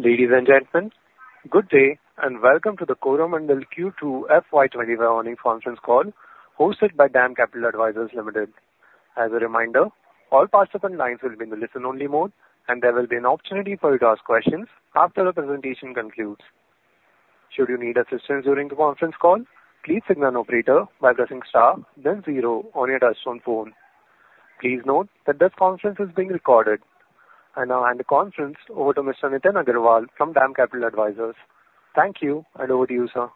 Ladies and gentlemen, good day, and welcome to the Coromandel Q2 FY 2025 earnings conference call, hosted by DAM Capital Advisors Limited. As a reminder, all participant lines will be in the listen-only mode, and there will be an opportunity for you to ask questions after the presentation concludes. Should you need assistance during the conference call, please signal an operator by pressing star then zero on your touchtone phone. Please note that this conference is being recorded. I now hand the conference over to Mr. Nitin Agarwal from DAM Capital Advisors. Thank you, and over to you, sir.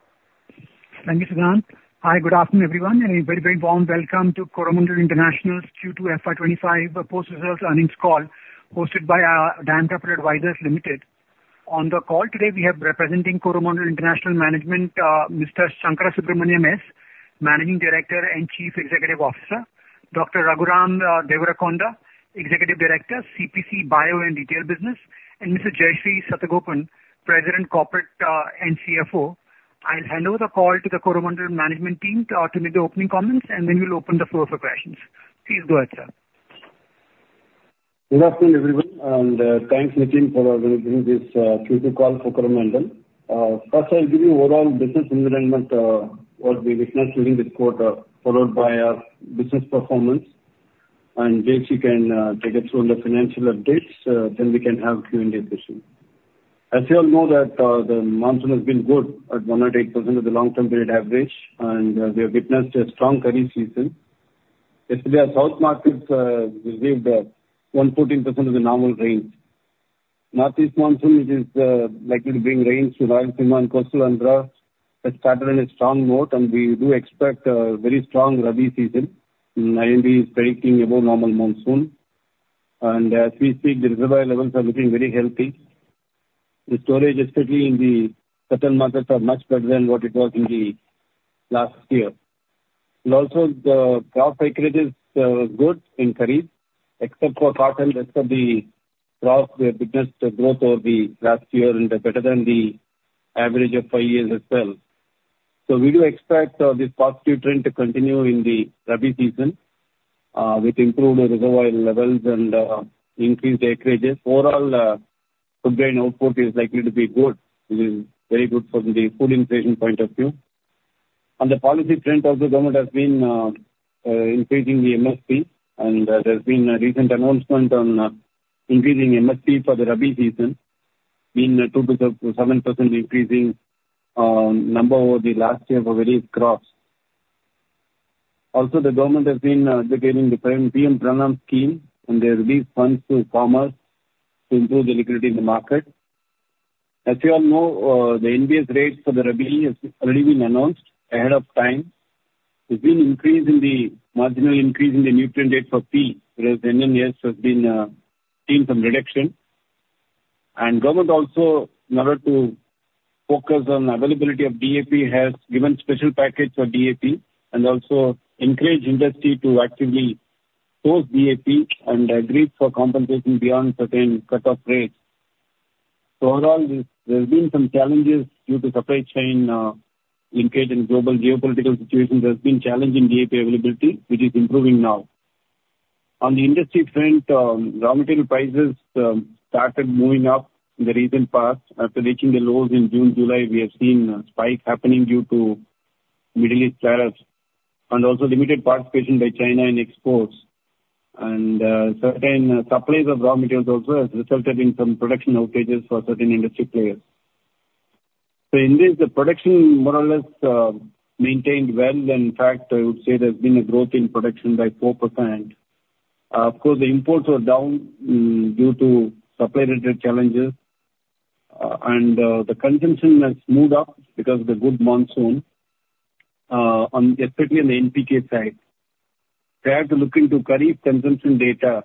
Thank you, Sugant. Hi, good afternoon, everyone, and a very, very warm welcome to Coromandel International's Q2 FY 2025 post-results earnings call, hosted by DAM Capital Advisors Limited. On the call today, we have representing Coromandel International Management, Mr. Sankarasubramanian S., Managing Director and Chief Executive Officer. Dr. Raghuram Devarakonda, Executive Director, CPC Bio and Retail Business; and Ms. Jayashree Satagopan, President Corporate and CFO. I'll hand over the call to the Coromandel management team to make the opening comments, and then we'll open the floor for questions. Please go ahead, sir. Good afternoon, everyone, and thanks, Nitin, for organizing this Q2 call for Coromandel. First, I'll give you overall business environment, what we witnessed during this quarter, followed by business performance, and Jayshree can take us through on the financial updates, then we can have Q&A session. As you all know, that the monsoon has been good at 108% of the long-term period average, and we have witnessed a strong Kharif season. Especially our south markets received 114% of the normal rain. Northeast monsoon, which is likely to bring rains to Rayalaseema and coastal Andhra, has started on a strong note, and we do expect a very strong Rabi season. IMD is predicting above normal monsoon, and as we speak, the reservoir levels are looking very healthy. The storage, especially in the southern markets, are much better than what it was in the last year. And also, the crop acreages good in Kharif, except for cotton, rest of the crops we have witnessed a growth over the last year and are better than the average of five years as well. So we do expect this positive trend to continue in the Rabi season with improved reservoir levels and increased acreages. Overall, food grain output is likely to be good, which is very good from the food inflation point of view. On the policy front, also, government has been increasing the MSP, and there's been a recent announcement on increasing MSP for the Rabi season, been 2%-7% increasing number over the last year for various crops. Also, the government has been advocating the PM-PRANAM scheme, and they released funds to farmers to improve the liquidity in the market. As you all know, the NBS rates for the rabi has already been announced ahead of time. There's been a marginal increase in the nutrient rates for P, whereas N and S has been seeing some reduction. And government also, in order to focus on availability of DAP, has given special package for DAP, and also encouraged industry to actively source DAP and agreed for compensation beyond certain cutoff rates. So overall, there's been some challenges due to supply chain linkage and global geopolitical situation. There's been challenge in DAP availability, which is improving now. On the industry front, raw material prices started moving up in the recent past. After reaching the lows in June, July, we have seen a spike happening due to Middle East tariffs and also limited participation by China in exports, and certain supplies of raw materials also has resulted in some production outages for certain industry players, so in this, the production more or less maintained well. In fact, I would say there's been a growth in production by 4%. Of course, the imports were down due to supply-related challenges, and the consumption has moved up because of the good monsoon, especially on the NPK side. If you have to look into kharif consumption data,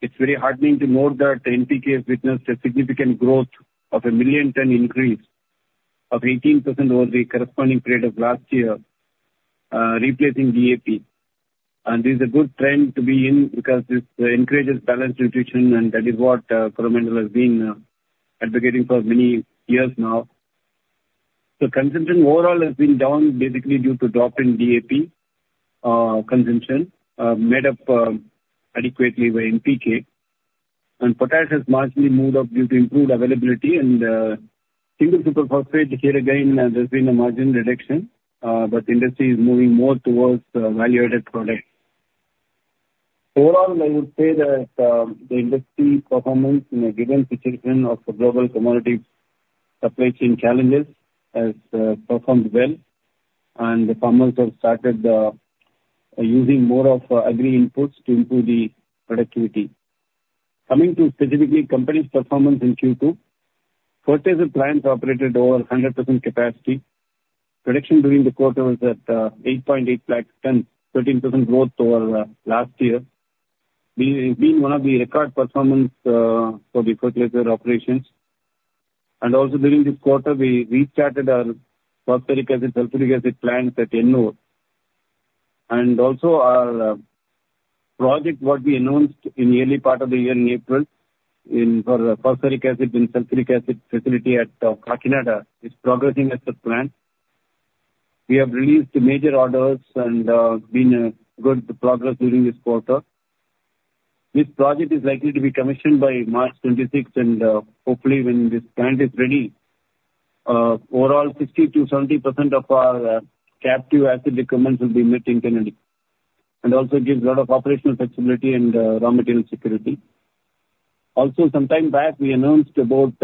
it's very heartening to note that NPK has witnessed a significant growth of a million tonne increase of 18% over the corresponding period of last year, replacing DAP. This is a good trend to be in because this encourages balanced nutrition, and that is what Coromandel has been advocating for many years now. Consumption overall has been down, basically due to drop in DAP consumption made up adequately by NPK. Potash has largely moved up due to improved availability and single super phosphate. Here again, there has been a margin reduction, but the industry is moving more towards value-added products. Overall, I would say that the industry performance in a given situation of the global commodity supply chain challenges has performed well, and the farmers have started using more of agri inputs to improve the productivity. Coming to specifically the company's performance in Q2, fertilizer plants operated over 100% capacity. Production during the quarter was at 8.8 lakh tonnes, 13% growth over last year, being one of the record performance for the fertilizer operations. Also, during this quarter, we restarted our phosphoric acid, sulfuric acid plants at Ennore. Also, our project what we announced in early part of the year in April, in, for the phosphoric acid and sulfuric acid facility at Kakinada, is progressing as per plan. We have released major orders and been a good progress during this quarter. This project is likely to be commissioned by March 2026, and hopefully, when this plant is ready, overall 60%-70% of our captive acid requirements will be met internally, and also gives a lot of operational flexibility and raw material security. Also, some time back, we announced about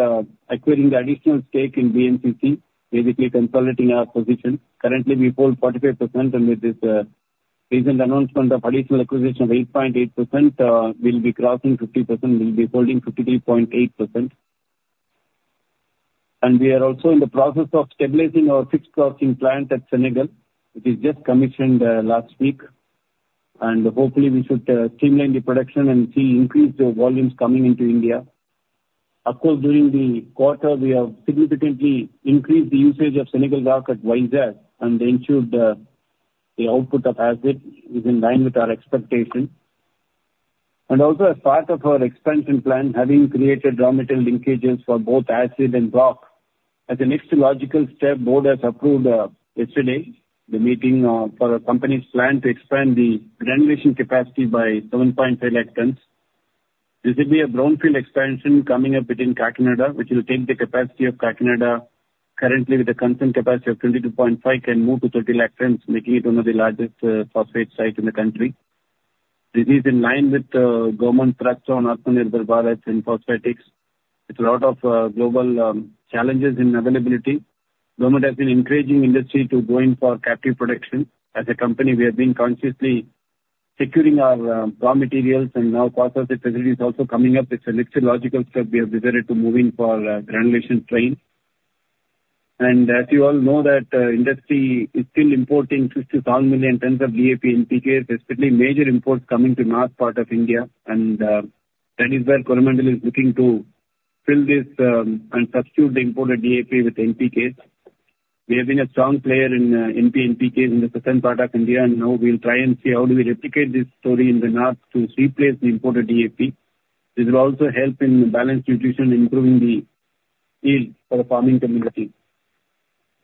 acquiring the additional stake in BMCC, basically consolidating our position. Currently, we hold 45%, and with this recent announcement of additional acquisition of 8.8%, we'll be crossing 50%, we'll be holding 53.8%. And we are also in the process of stabilizing our rock crushing plant at Senegal, which is just commissioned last week, and hopefully, we should streamline the production and see increased volumes coming into India. Of course, during the quarter, we have significantly increased the usage of Senegal rock at Vizag, and ensured the output of acid is in line with our expectations. And also, as part of our expansion plan, having created raw material linkages for both acid and rock, as the next logical step, board has approved yesterday's meeting for our company's plan to expand the granulation capacity by 7.5 lakh tons. This will be a brownfield expansion coming up within Kakinada, which will take the capacity of Kakinada, currently with a current capacity of 22.5, to 30 lakh tons, making it one of the largest phosphate site in the country. This is in line with government thrust on Atmanirbhar Bharat in phosphatics. With a lot of global challenges in availability, government has been encouraging industry to go in for captive production. As a company, we have been consciously securing our raw materials, and now phosphate facility is also coming up. It's a next logical step we have decided to move in for a granulation train, and as you all know, that industry is still importing fifty thousand million tons of DAP, NPK, especially major imports coming to north part of India, and that is where Coromandel is looking to fill this, and substitute the imported DAP with NPKs. We have been a strong player in NP, NPKs in the southern part of India, and now we'll try and see how do we replicate this story in the north to replace the imported DAP. This will also help in balanced nutrition, improving the yield for the farming community.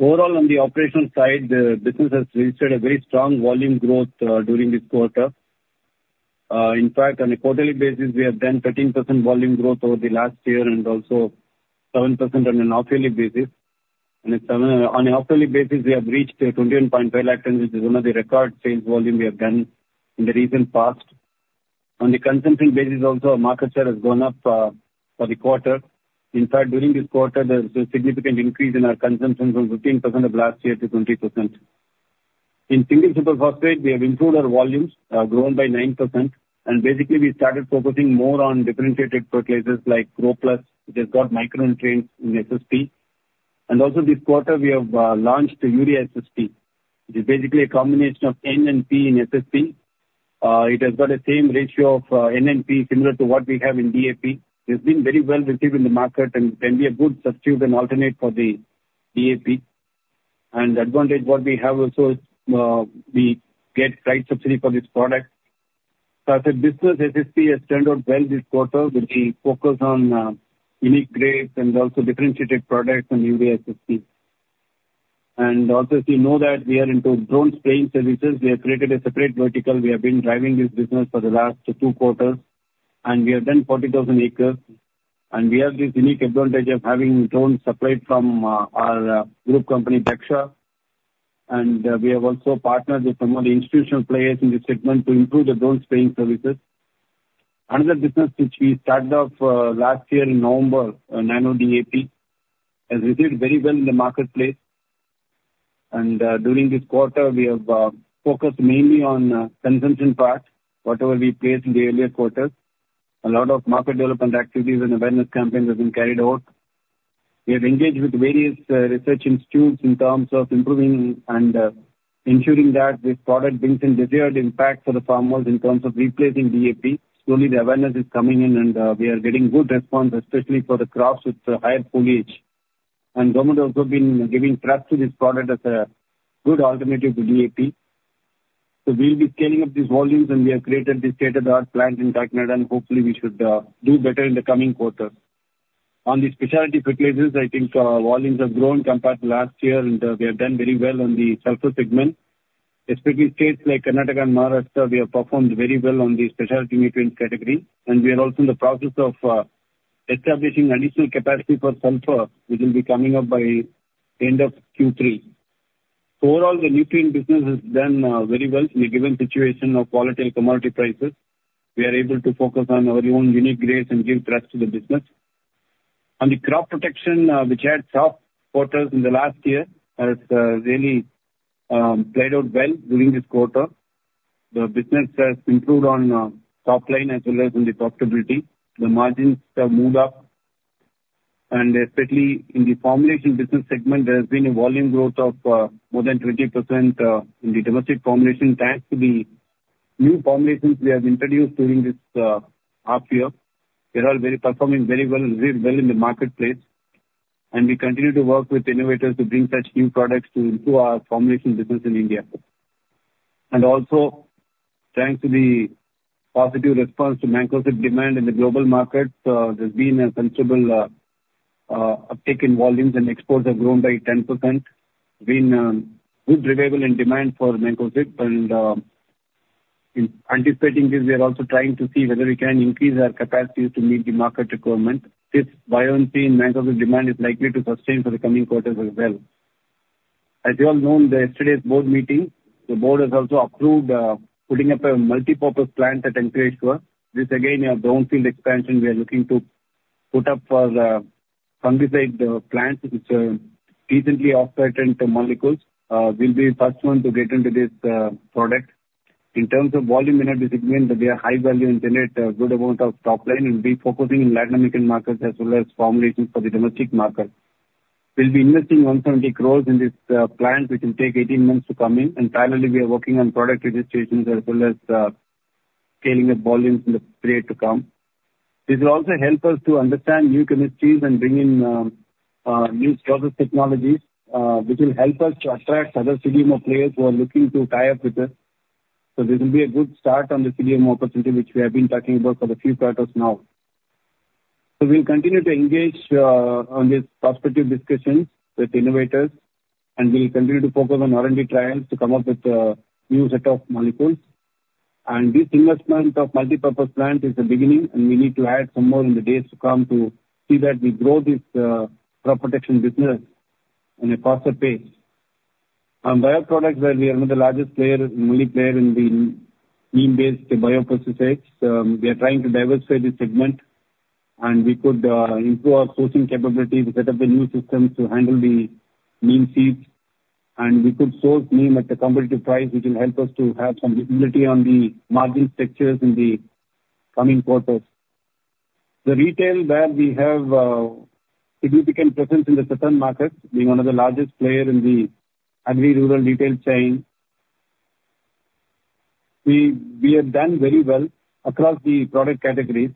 Overall, on the operational side, business has registered a very strong volume growth during this quarter. In fact, on a quarterly basis, we have done 13% volume growth over the last year, and also 7% on a half-yearly basis. On a half-yearly basis, we have reached a 21.5 lakh ton, which is one of the record sales volume we have done in the recent past. On the consumption basis also, our market share has gone up for the quarter. In fact, during this quarter, there's a significant increase in our consumption from 15% of last year to 20%. In Single Super Phosphate, we have improved our volumes, grown by 9%, and basically, we started focusing more on differentiated fertilizers like GroPlus, which has got micronutrients in SSP. Also, this quarter, we have launched Urea SSP. It is basically a combination of N and P in SSP. It has got the same ratio of, N and P, similar to what we have in DAP. It's been very well received in the market and can be a good substitute and alternate for the DAP. And the advantage what we have also is, we get price subsidy for this product. As a business, SSP has turned out well this quarter, with the focus on, unique grades and also differentiated products and UriSSP. And also, as you know that we are into drone spraying services. We have created a separate vertical. We have been driving this business for the last two quarters, and we have done 40,000 acres. We have this unique advantage of having drones supplied from our group company, Dhaksha, and we have also partnered with some of the institutional players in this segment to improve the drone spraying services. Another business, which we started off last year in November, Nano DAP, has received very well in the marketplace. During this quarter, we have focused mainly on consumption part, whatever we placed in the earlier quarters. A lot of market development activities and awareness campaigns have been carried out. We have engaged with various research institutes in terms of improving and ensuring that this product brings in desired impact for the farmers in terms of replacing DAP. Slowly, the awareness is coming in, and we are getting good response, especially for the crops with higher foliage. Government also been giving trust to this product as a good alternative to DAP. We'll be scaling up these volumes, and we have created the state-of-the-art plant in Kakinada, and hopefully, we should do better in the coming quarter. On the specialty fertilizers, I think volumes have grown compared to last year, and we have done very well on the sulfur segment. Especially states like Karnataka and Maharashtra, we have performed very well on the specialty nutrients category, and we are also in the process of establishing additional capacity for sulfur, which will be coming up by end of Q3. Overall, the nutrient business has done very well in the given situation of volatile commodity prices. We are able to focus on our own unique grades and give trust to the business. On the crop protection, which had tough quarters in the last year, has really played out well during this quarter. The business has improved on top line as well as in the profitability. The margins have moved up, and especially in the formulation business segment, there has been a volume growth of more than 20% in the domestic formulation, thanks to the new formulations we have introduced during this half year. They're all performing very well in the marketplace, and we continue to work with innovators to bring such new products to improve our formulation business in India. And also, thanks to the positive response to Mancozeb demand in the global market, there's been a considerable uptick in volumes, and exports have grown by 10%. Good revival in demand for Mancozeb, and in anticipating this, we are also trying to see whether we can increase our capacities to meet the market requirement. This buoyancy in Mancozeb demand is likely to sustain for the coming quarters as well. As you all know, in yesterday's board meeting, the board has also approved putting up a multi-purpose plant at Ankaleshwar. This again, a brownfield expansion we are looking to put up for the fungicide plants, which recently off-patent molecules. We'll be first one to get into this product. In terms of volume in that segment, they are high value and generate a good amount of top line, and we'll be focusing in Latin American markets as well as formulations for the domestic market. We'll be investing 170 crores in this plant, which will take 18 months to come in, and finally we are working on product registrations as well as scaling up volumes in the period to come. This will also help us to understand new chemistries and bring in new process technologies, which will help us to attract other CDMO players who are looking to tie up with us. So this will be a good start on the CDMO opportunity, which we have been talking about for the few quarters now. So we'll continue to engage on this prospective discussions with innovators, and we'll continue to focus on R&D trials to come up with a new set of molecules. This investment of multipurpose plant is the beginning, and we need to add some more in the days to come to see that we grow this crop protection business in a faster pace. On bioproducts, where we are one of the largest player, only player in the neem-based biopesticides, we are trying to diversify the segment, and we could improve our sourcing capabilities to set up the new systems to handle the neem seeds. We could source neem at a competitive price, which will help us to have some visibility on the margin structures in the coming quarters. The retail where we have significant presence in the southern markets, being one of the largest player in the agri-rural retail chain. We, we have done very well across the product categories.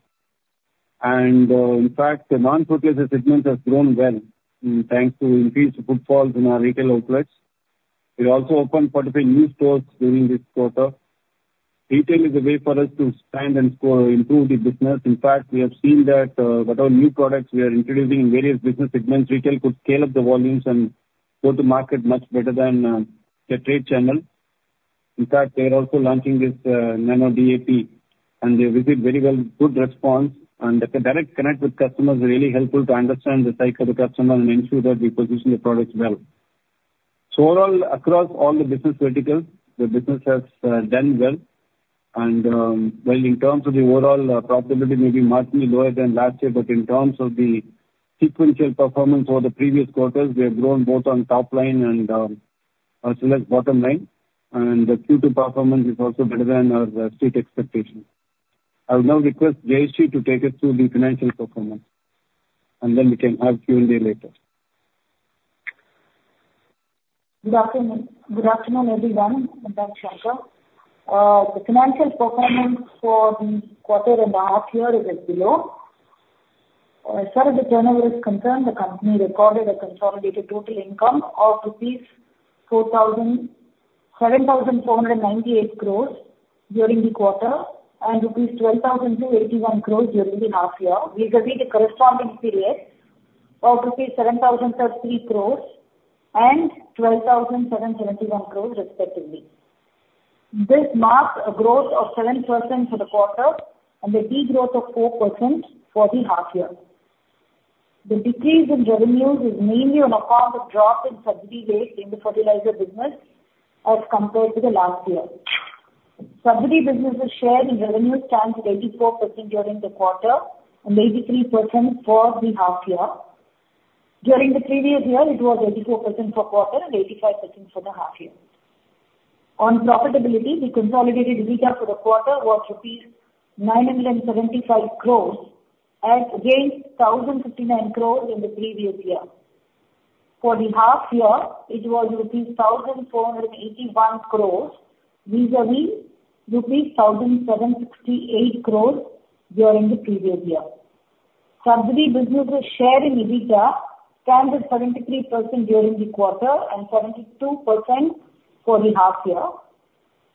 In fact, the non-fertilizer segment has grown well, thanks to increased footfalls in our retail outlets. We also opened 48 new stores during this quarter. Retail is a way for us to stand and improve the business. In fact, we have seen that whatever new products we are introducing in various business segments, retail could scale up the volumes and go to market much better than the trade channel. In fact, we are also launching this Nano DAP, and we received very well, good response, and the direct connect with customers is really helpful to understand the cycle of the customer and ensure that we position the products well. Overall, across all the business verticals, the business has done well. In terms of the overall profitability, maybe marginally lower than last year, but in terms of the sequential performance over the previous quarters, we have grown both on top line and, as well as bottom line, and the Q2 performance is also better than our street expectations. I will now request Jayashree to take us through the financial performance, and then we can have Q&A later. Good afternoon. Good afternoon, everyone, and thanks, Sankar. The financial performance for the quarter and the half year is as below. As far as the turnover is concerned, the company recorded a consolidated total income of 7,498 crores during the quarter, and rupees 12,281 crores during the half year, vis-a-vis the corresponding period of rupees 7,033 crores and 12,771 crores respectively. This marks a growth of 7% for the quarter and a degrowth of 4% for the half year. The decrease in revenues is mainly on account of drop in subsidy rates in the fertilizer business as compared to the last year. Subsidy business share in revenues stands at 84% during the quarter and 83% for the half year. During the previous year, it was 84% for the quarter and 85% for the half year. On profitability, the consolidated EBITDA for the quarter was rupees 975 crores as against 1,059 crores in the previous year. For the half year, it was rupees 1,481 crores, vis-a-vis rupees 1,768 crores during the previous year. Subsidy businesses share in EBITDA stands at 73% during the quarter and 72% for the half year.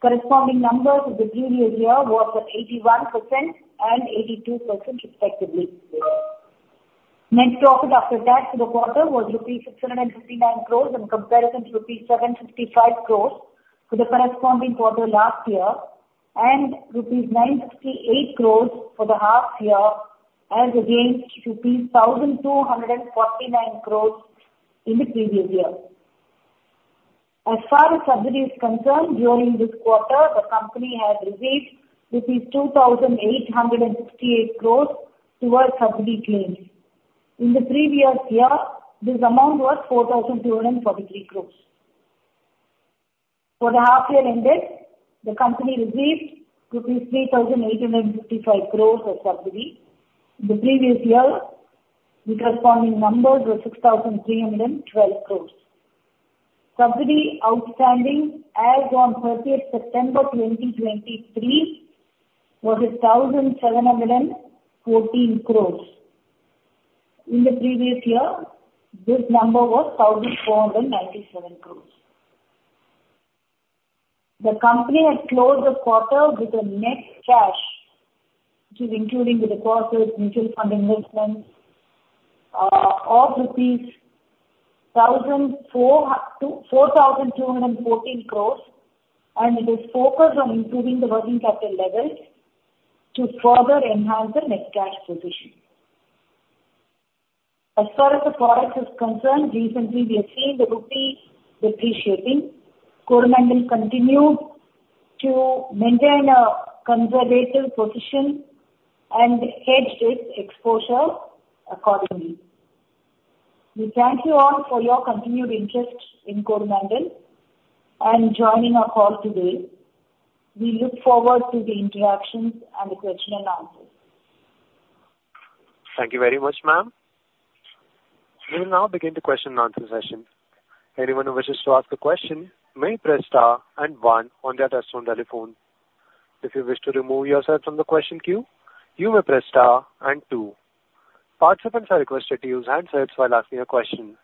Corresponding numbers of the previous year was at 81% and 82% respectively. Net profit after tax for the quarter was rupees 659 crores in comparison to rupees 755 crores to the corresponding quarter last year, and rupees 968 crores for the half year as against rupees 1,249 crores in the previous year. As far as subsidy is concerned, during this quarter, the company has received 2,868 crores towards subsidy claims. In the previous year, this amount was 4,243 crores. For the half year ended, the company received rupees 3,855 crores as subsidy. In the previous year, the corresponding number was 6,312 crores. Subsidy outstanding as on thirtieth September 2023 was 1,714 crores. In the previous year, this number was 1,497 crores. The company had closed the quarter with a net cash, which is including the deposits, mutual fund investments, of 4,214 crores, and it is focused on improving the working capital levels to further enhance the net cash position. As far as the product is concerned, recently we have seen the rupee depreciating. Coromandel continued to maintain a conservative position and hedge its exposure accordingly. We thank you all for your continued interest in Coromandel and joining our call today. We look forward to the interactions and the question and answers. Thank you very much, ma'am. We will now begin the question and answer session. Anyone who wishes to ask a question may press star and one on their touchtone telephone. If you wish to remove yourself from the question queue, you may press star and two. Participants are requested to use handsets while asking a question.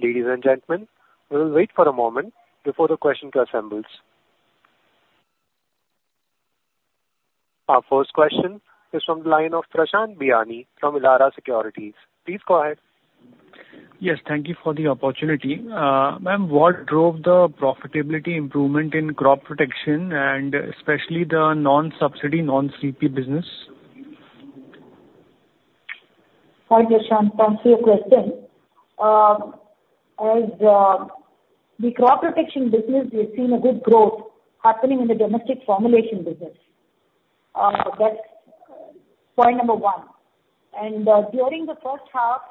Ladies and gentlemen, we will wait for a moment before the question queue assembles. Our first question is from the line of Prashant Biyani from Elara Securities. Please go ahead. Yes, thank you for the opportunity. Ma'am, what drove the profitability improvement in crop protection and especially the non-subsidy, non-CP business? Hi, Prashant. To answer your question, as the crop protection business, we've seen a good growth happening in the domestic formulation business. That's point number one. And, during the first half,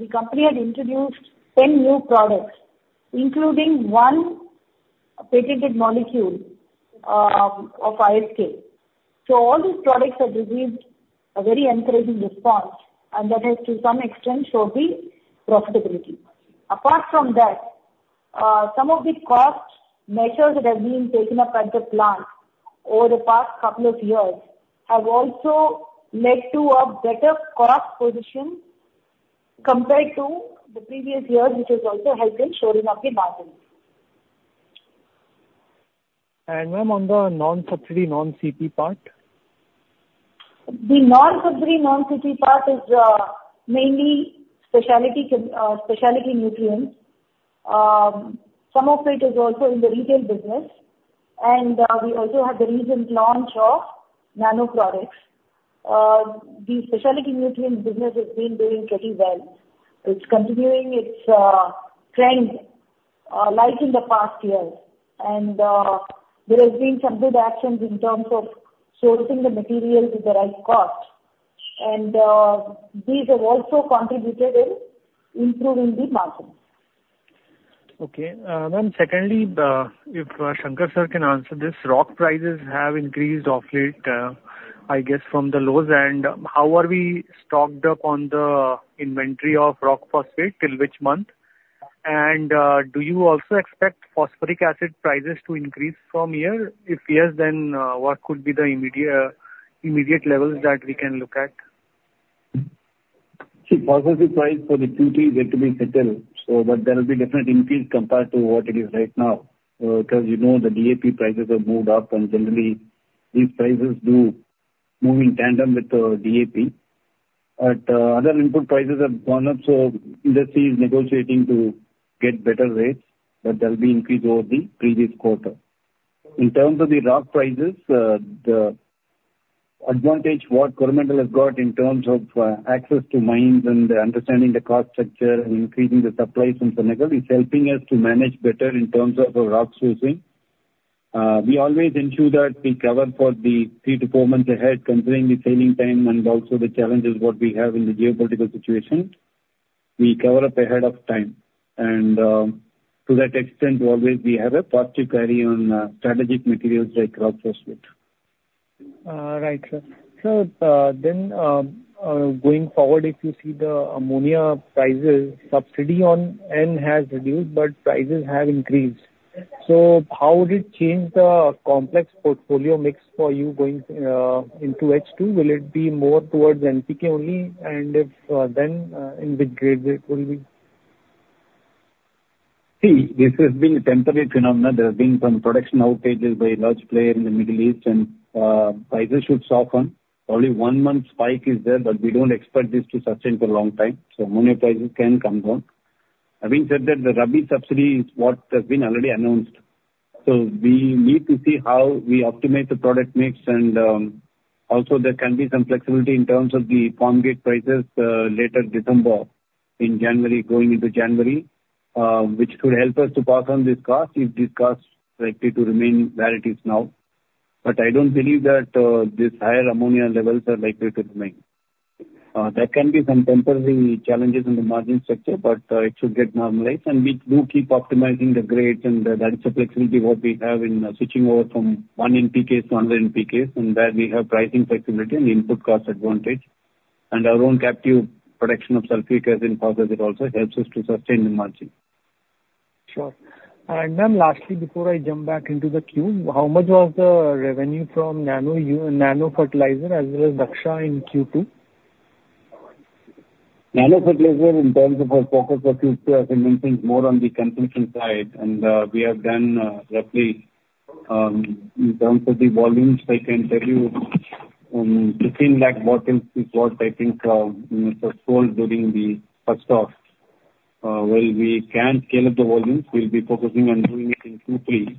the company had introduced 10 new products, including one patented molecule of ISK. So all these products have received a very encouraging response, and that has to some extent showed the profitability. Apart from that, some of the cost measures that have been taken up at the plant over the past couple of years have also led to a better cost position compared to the previous years, which has also helped in shoring up the margins. Ma'am, on the non-subsidy, non-CP part? The non-subsidy, non-CP part is mainly specialty nutrients. Some of it is also in the retail business. And we also have the recent launch of Nano products. The specialty nutrient business has been doing pretty well. It's continuing its trend like in the past years. And there has been some good actions in terms of sourcing the material with the right cost. And these have also contributed in improving the margins. Okay. Ma'am, secondly, if Sankar sir can answer this, rock prices have increased of late, I guess from the lows. And how are we stocked up on the inventory of rock phosphate, till which month? And do you also expect phosphoric acid prices to increase from here? If yes, then what could be the immediate levels that we can look at? See, phosphoric price for the Q3 is yet to be settled, so but there will be definite increase compared to what it is right now. Because, you know, the DAP prices have moved up, and generally these prices do move in tandem with, DAP. But, other input prices have gone up, so industry is negotiating to get better rates, but there will be increase over the previous quarter. In terms of the rock prices, the advantage what Coromandel has got in terms of, access to mines and understanding the cost structure and increasing the supplies from Senegal is helping us to manage better in terms of our rock sourcing. We always ensure that we cover for the three to four months ahead, considering the sailing time and also the challenges what we have in the geopolitical situation. We cover up ahead of time, and, to that extent, always we have a positive carry on, strategic materials like rock phosphate. Right, sir. Sir, then, going forward, if you see the ammonia prices, subsidy on N has reduced, but prices have increased. So how would it change the complex portfolio mix for you going into H2? Will it be more towards NPK only, and if then, in which grade it will be? See, this has been a temporary phenomenon. There has been some production outages by a large player in the Middle East, and, prices should soften. Only one-month spike is there, but we don't expect this to sustain for a long time, so ammonia prices can come down. Having said that, the Rabi subsidy is what has been already announced. So we need to see how we optimize the product mix. And, also there can be some flexibility in terms of the farm gate prices, later December, in January, going into January, which could help us to pass on this cost, if this cost is likely to remain where it is now. But I don't believe that, these higher ammonia levels are likely to remain. There can be some temporary challenges in the margin structure, but, it should get normalized. We do keep optimizing the grades, and that is the flexibility what we have in switching over from one NPKs to another NPKs, and there we have pricing flexibility and input cost advantage. Our own captive production of sulfuric acid and phosphate also helps us to sustain the margin. Sure. And then lastly, before I jump back into the queue, how much was the revenue from Nano fertilizer as well as Dhaksha in Q2? Nano fertilizer, in terms of our focus for Q2, as I mentioned, more on the consumption side, and we have done, roughly, in terms of the volumes, I can tell you, 16 lakh bottles is what I think we first sold during the first half. While we can scale up the volumes, we'll be focusing on doing it in Q3.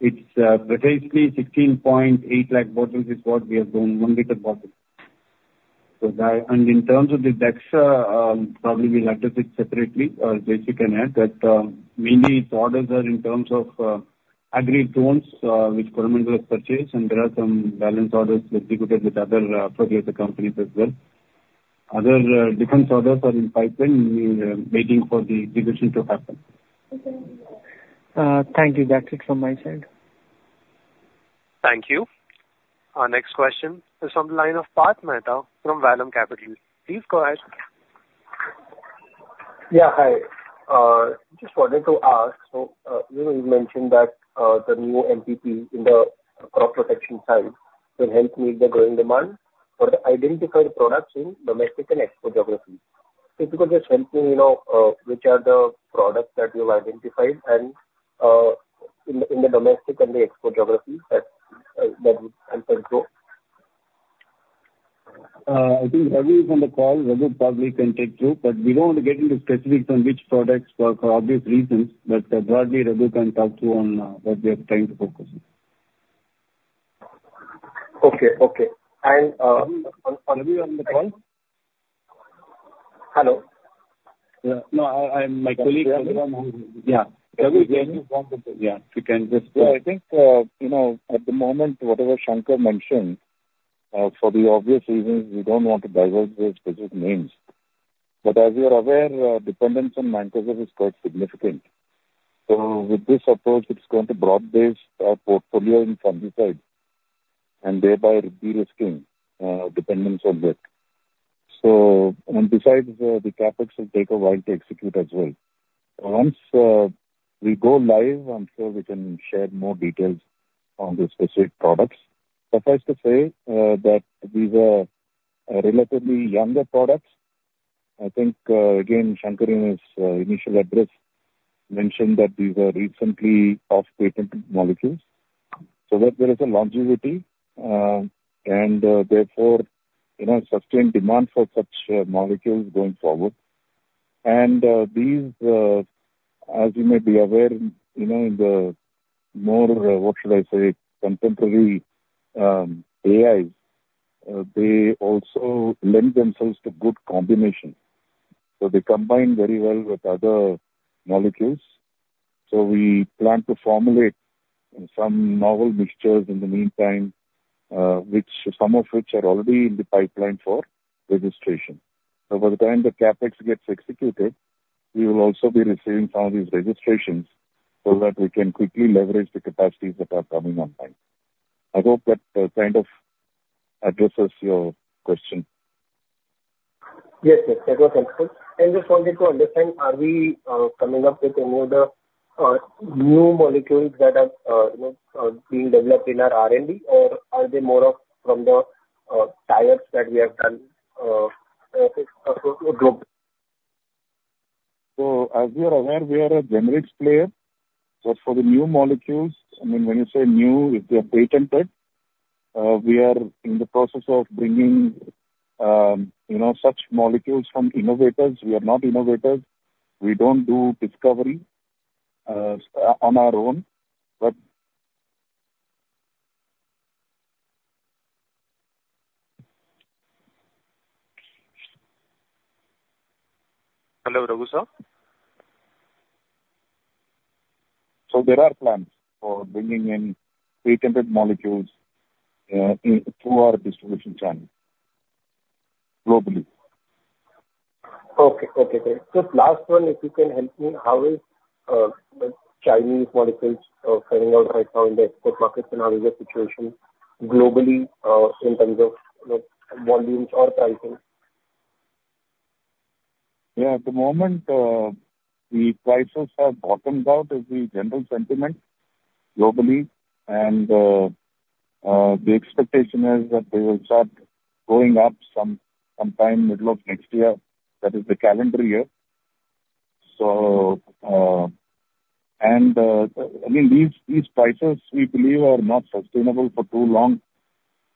It's precisely 16.8 lakh bottles is what we have done, one liter bottles. And in terms of the Dhaksha, probably we'll address it separately. Jayashree can add, but mainly its orders are in terms of agri drones, which government has purchased, and there are some balance orders executed with other fertilizer companies as well. Other different orders are in the pipeline, waiting for the execution to happen. Thank you. That's it from my side. Thank you. Our next question is on the line of Parth Mehta from Vallum Capital. Please go ahead. Yeah, hi. Just wanted to ask, so, you know, you mentioned that the new MPP in the crop protection side will help meet the growing demand for the identified products in domestic and export geographies. If you could just help me, you know, which are the products that you've identified, and in the domestic and the export geographies that would help us grow? I think Ragu is on the call. Ragu probably can take you, but we don't want to get into specifics on which products for obvious reasons, but broadly, Ragu can talk to you on what we are trying to focus on. Okay. Okay, and, Raghu, are you on the call? Hello? Yeah. No, I, my colleague- Yeah. Yeah. Ragu, can you... Yeah, if you can just- Yeah, I think, you know, at the moment, whatever Shankar mentioned, for the obvious reasons, we don't want to divulge the specific names. But as you are aware, dependence on Mancozeb is quite significant. So with this approach, it's going to broad-base our portfolio in fungicides and thereby de-risking dependence on that. So, and besides, the CapEx will take a while to execute as well. Once we go live, I'm sure we can share more details on the specific products. Suffice to say that these are relatively younger products. I think, again, Shankar, in his initial address, mentioned that these are recently off-patent molecules. So that there is a longevity, and therefore, you know, sustained demand for such molecules going forward. And these, as you may be aware, you know, in the more, what should I say, contemporary AIs, they also lend themselves to good combination. So they combine very well with other molecules. So we plan to formulate some novel mixtures in the meantime, which some of which are already in the pipeline for registration. So by the time the CapEx gets executed, we will also be receiving some of these registrations so that we can quickly leverage the capacities that are coming online. I hope that kind of addresses your question. Yes, yes, that was helpful. I just wanted to understand, are we coming up with any other new molecules that are, you know, being developed in our R&D, or are they more from the trials that we have done globally? As you are aware, we are a generics player. But for the new molecules, I mean, when you say new, if they are patented, we are in the process of bringing, you know, such molecules from innovators. We are not innovators. We don't do discovery, on our own, but- Hello, Ragu, sir? So there are plans for bringing in patented molecules through our distribution channel globally. Okay. Okay, great. Just last one, if you can help me, how is the Chinese molecules faring out right now in the export market scenario situation globally, in terms of, you know, volumes or pricing? Yeah, at the moment, the prices have bottomed out is the general sentiment globally. And, the expectation is that they will start going up some, sometime middle of next year. That is the calendar year. So and, I mean, these, these prices, we believe, are not sustainable for too long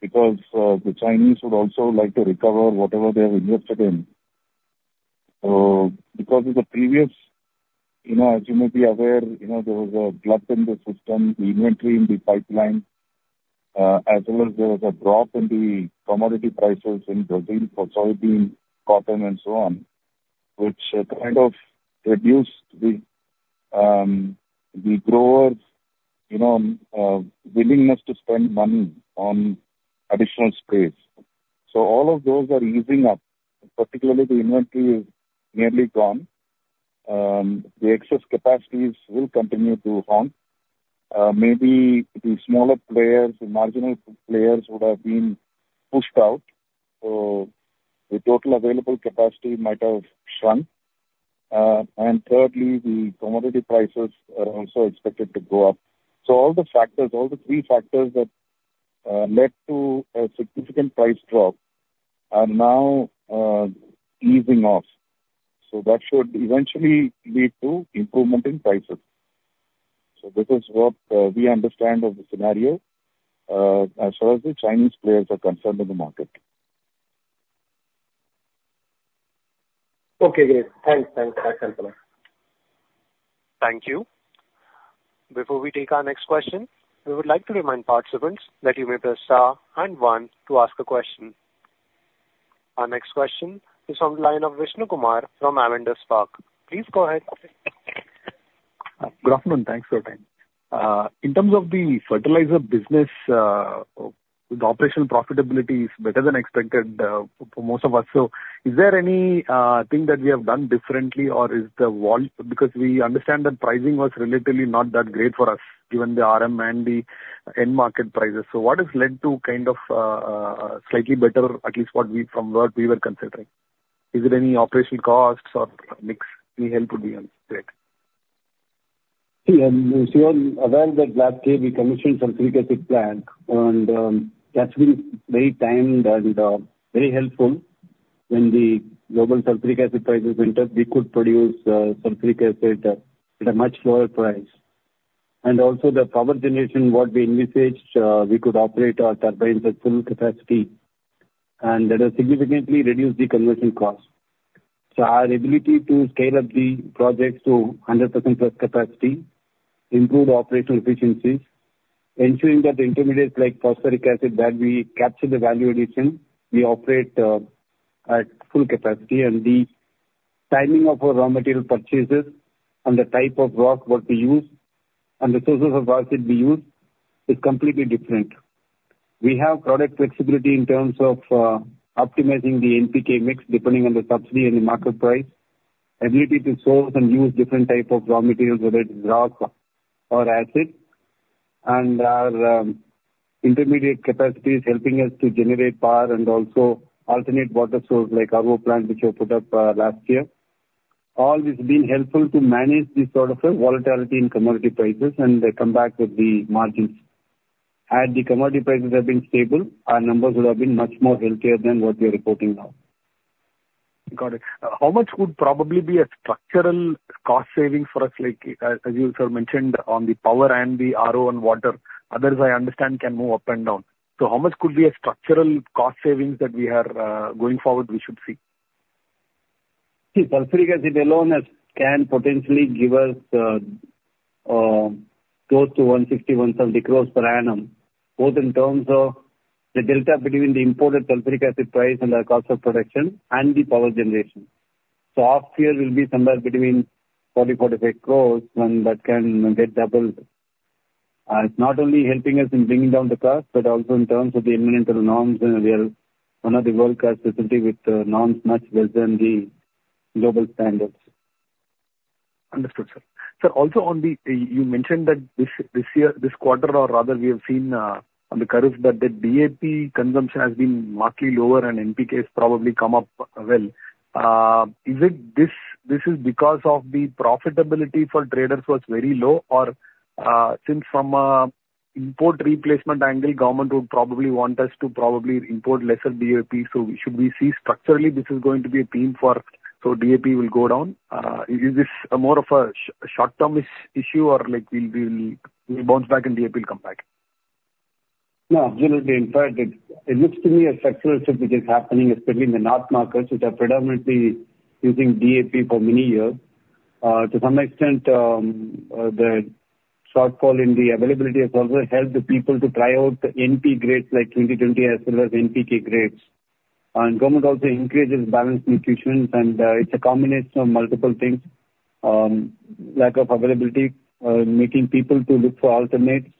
because, the Chinese would also like to recover whatever they have invested in. Because in the previous, you know, as you may be aware, you know, there was a glut in the system, inventory in the pipeline, as well as there was a drop in the commodity prices in Brazil for soybean, cotton, and so on, which kind of reduced the, the growers', you know, willingness to spend money on additional space. So all of those are easing up, particularly the inventory is nearly gone. The excess capacities will continue to haunt.... maybe the smaller players, the marginal players would have been pushed out, so the total available capacity might have shrunk. And thirdly, the commodity prices are also expected to go up. So all the factors, all the three factors that led to a significant price drop are now easing off, so that should eventually lead to improvement in prices. So this is what we understand of the scenario as far as the Chinese players are concerned in the market. Okay, great. Thanks, thanks, that's helpful. Thank you. Before we take our next question, we would like to remind participants that you may press star and one to ask a question. Our next question is on the line of Vishnu Kumar from Avendus Spark. Please go ahead. Good afternoon. Thanks for your time. In terms of the fertilizer business, the operational profitability is better than expected, for most of us. So is there any thing that we have done differently, or is because we understand that pricing was relatively not that great for us, given the RM and the end market prices. So what has led to kind of slightly better, at least what we, from what we were considering? Is it any operational costs or mix any help would be great. You are aware that last year we commissioned sulfuric acid plant, and that's been well-timed and very helpful. When the global sulfuric acid prices went up, we could produce sulfuric acid at a much lower price. Also the power generation, what we envisaged, we could operate our turbines at full capacity, and that has significantly reduced the conversion cost. Our ability to scale up the projects to 100% plus capacity, improve operational efficiencies, ensuring that the intermediates, like phosphoric acid, that we capture the value addition, we operate at full capacity. The timing of our raw material purchases and the type of rock, what we use, and the sources of acid we use is completely different. We have product flexibility in terms of optimizing the NPK mix, depending on the subsidy and the market price, ability to source and use different type of raw materials, whether it is rock or acid, and our intermediate capacity is helping us to generate power and also alternate water source, like RO plant, which we put up last year. All this has been helpful to manage this sort of a volatility in commodity prices, and they come back with the margins. Had the commodity prices have been stable, our numbers would have been much more healthier than what we are reporting now. Got it. How much would probably be a structural cost saving for us, like, as you, sir, mentioned on the power and the RO and water, others I understand can move up and down. So how much could be a structural cost savings that we are going forward we should see? The sulfuric acid alone has, can potentially give us, close to 160-170 crore per annum, both in terms of the delta between the imported sulfuric acid price and the cost of production and the power generation. So last year will be somewhere between 40-45 crore, and that can get doubled. And it's not only helping us in bringing down the cost, but also in terms of the environmental norms, and we are one of the world-class, especially with norms much better than the global standards. Understood, sir. Sir, also on the... You mentioned that this year, this quarter, or rather, we have seen on the curves, that the DAP consumption has been markedly lower and NPK has probably come up well. Is it this is because of the profitability for traders was very low? Or, since from import replacement angle, government would probably want us to probably import lesser DAP. So should we see structurally, this is going to be a theme for so DAP will go down? Is this more of a short-term issue or, like, we'll bounce back and DAP will come back? No, absolutely. In fact, it looks to me a structural shift which is happening, especially in the north markets, which are predominantly using DAP for many years. To some extent, the shortfall in the availability has also helped the people to try out the NP grades like twenty, twenty as well as NPK grades. And government also encourages balanced nutrition, and it's a combination of multiple things. Lack of availability, making people to look for alternatives,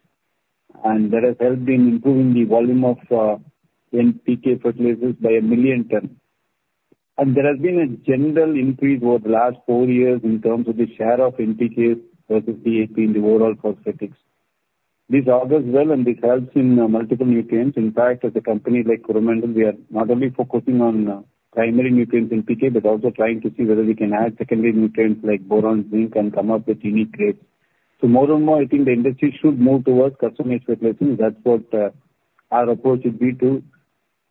and that has helped in improving the volume of NPK fertilizers by a million ton. And there has been a general increase over the last four years in terms of the share of NPK versus DAP in the overall phosphatics. This augurs well, and this helps in multiple nutrients. In fact, as a company like Coromandel, we are not only focusing on primary nutrients NPK, but also trying to see whether we can add secondary nutrients like boron, zinc, and come up with unique grades. So more and more, I think the industry should move towards customized replacement. That's what our approach would be to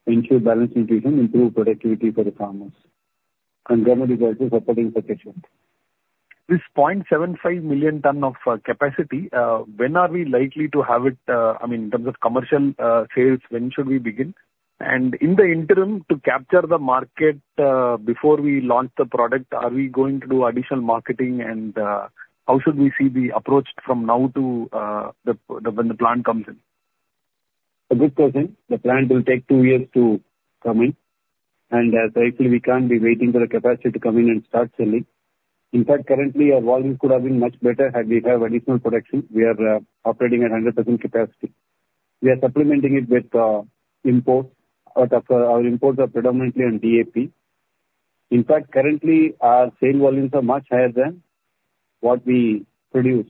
ensure balanced nutrition, improve productivity for the farmers, and commodity prices supporting the case. This 0.75 million tons of capacity, when are we likely to have it, I mean, in terms of commercial sales, when should we begin? And in the interim, to capture the market, before we launch the product, are we going to do additional marketing? And, how should we see the approach from now to the when the plant comes in? A good question. The plant will take two years to come in, and, thankfully, we can't be waiting for the capacity to come in and start selling. In fact, currently, our volumes could have been much better had we have additional production. We are operating at 100% capacity. We are supplementing it with imports, but our imports are predominantly on DAP. In fact, currently, our sale volumes are much higher than what we produce.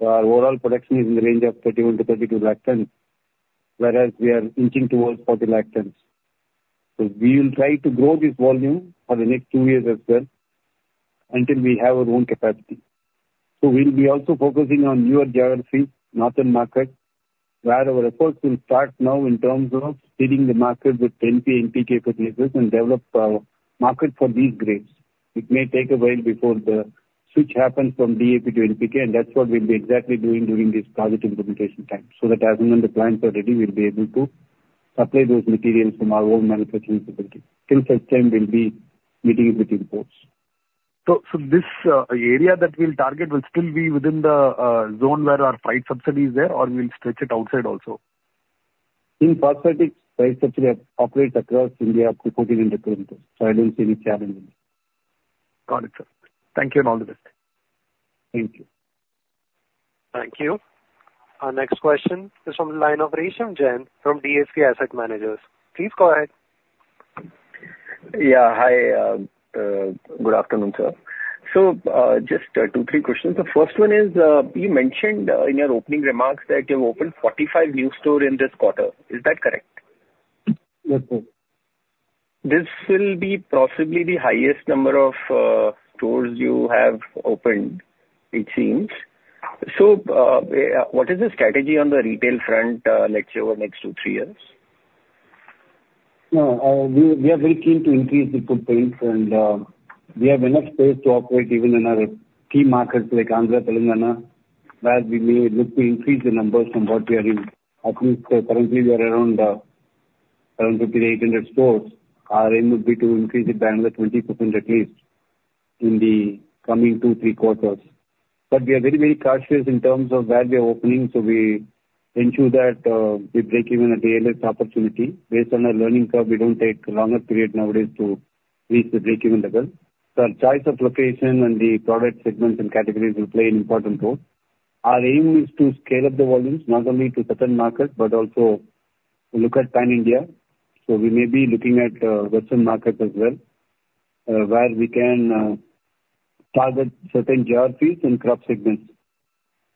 Our overall production is in the range of 31-32 lakh tons, whereas we are inching towards 40 lakh tons. So we will try to grow this volume for the next two years as well until we have our own capacity. So we'll be also focusing on newer geographies, northern markets, where our efforts will start now in terms of seeding the market with NP and NPK and develop market for these grades. It may take a while before the switch happens from DAP to NPK, and that's what we'll be exactly doing during this project implementation time, so that as and when the plants are ready, we'll be able to supply those materials from our own manufacturing facility. Till such time, we'll be meeting with imports. This area that we'll target will still be within the zone where our NBS subsidy is there, or we'll stretch it outside also? Operates across India, so I don't see any challenge. Got it, sir. Thank you, and all the best. Thank you. Thank you. Our next question is from the line of Risham Jain from DSP Asset Managers. Please go ahead. Yeah, hi. Good afternoon, sir. So, just two, three questions. The first one is, you mentioned in your opening remarks that you've opened 45 new store in this quarter. Is that correct? Mm-hmm. This will be possibly the highest number of stores you have opened, it seems. So, what is the strategy on the retail front, let's say, over the next two, three years? No, we are very keen to increase the footprints and, we have enough space to operate even in our key markets like Andhra Telangana, where we may look to increase the numbers from what we are in. I think currently we are around 50 to 800 stores. Our aim would be to increase it by another 20% at least in the coming two, three quarters. But we are very, very cautious in terms of where we are opening, so we ensure that, we break even at the earliest opportunity. Based on our learning curve, we don't take longer period nowadays to reach the break-even level. So our choice of location and the product segments and categories will play an important role. Our aim is to scale up the volumes, not only to certain markets, but also look at pan-India. So we may be looking at western markets as well where we can target certain geographies and crop segments.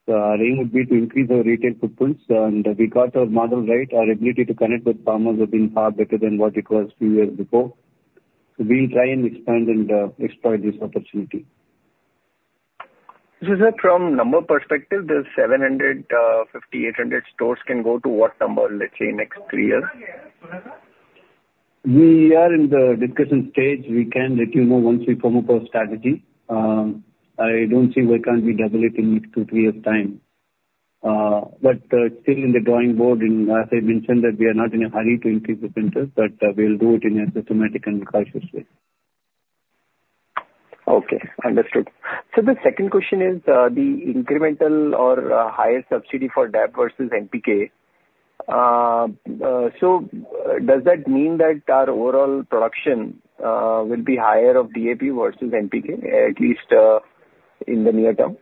So our aim would be to increase our retail footprints, and we got our model right. Our ability to connect with farmers have been far better than what it was few years before. So we'll try and exploit this opportunity. Sir, from number perspective, the 750-800 stores can go to what number, let's say, in next three years? We are in the discussion stage. We can let you know once we form up our strategy. I don't see why can't we double it in next two, three years' time, but still in the drawing board, and as I mentioned, that we are not in a hurry to increase the printers, but we'll do it in a systematic and cautious way. Okay, understood. So the second question is, the incremental or higher subsidy for DAP versus NPK. So does that mean that our overall production will be higher of DAP versus NPK, at least in the near term?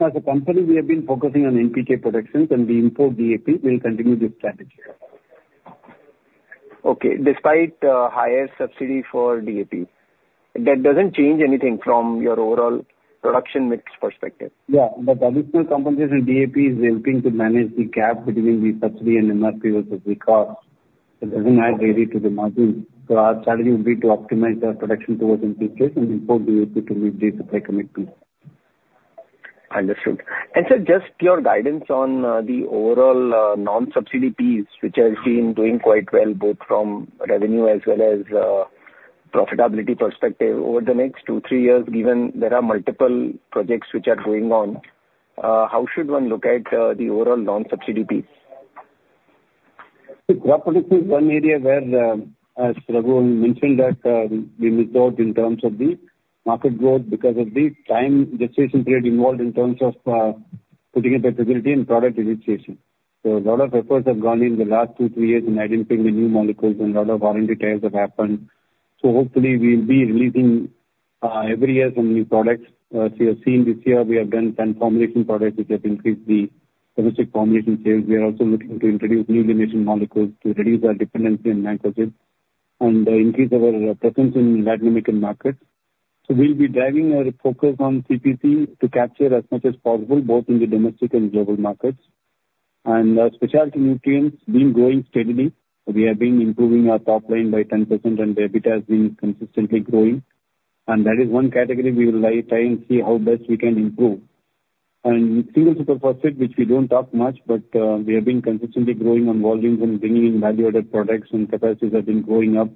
As a company, we have been focusing on NPK production and we import DAP. We'll continue this strategy. Okay, despite higher subsidy for DAP, that doesn't change anything from your overall production mix perspective? Yeah, but additional compensation in DAP is helping to manage the gap between the subsidy and MRP versus the cost. It doesn't add value to the margin. So our strategy would be to optimize our production towards NPKs and import DAP to meet the supply commitment. Understood. And, sir, just your guidance on the overall non-subsidy piece, which has been doing quite well, both from revenue as well as profitability perspective. Over the next two, three years, given there are multiple projects which are going on, how should one look at the overall non-subsidy piece? Crop Protection is one area where, as Raghu mentioned, that we missed out in terms of the market growth because of the time gestation period involved in terms of putting up the facility and product initiation. So a lot of efforts have gone in the last two, three years in identifying the new molecules, and a lot of R&D trials have happened. So hopefully we will be releasing every year some new products. So you have seen this year we have done 10 formulation products, which have increased the domestic formulation sales. We are also looking to introduce new limitation molecules to reduce our dependency on nitrogen and increase our presence in Latin American markets. So we'll be driving our focus on CPC to capture as much as possible, both in the domestic and global markets, and specialty nutrients been growing steadily. We have been improving our top line by 10%, and the EBITDA has been consistently growing, and that is one category we will try and see how best we can improve, and single superphosphate, which we don't talk much, but we have been consistently growing on volumes and bringing in value-added products, and capacities have been going up.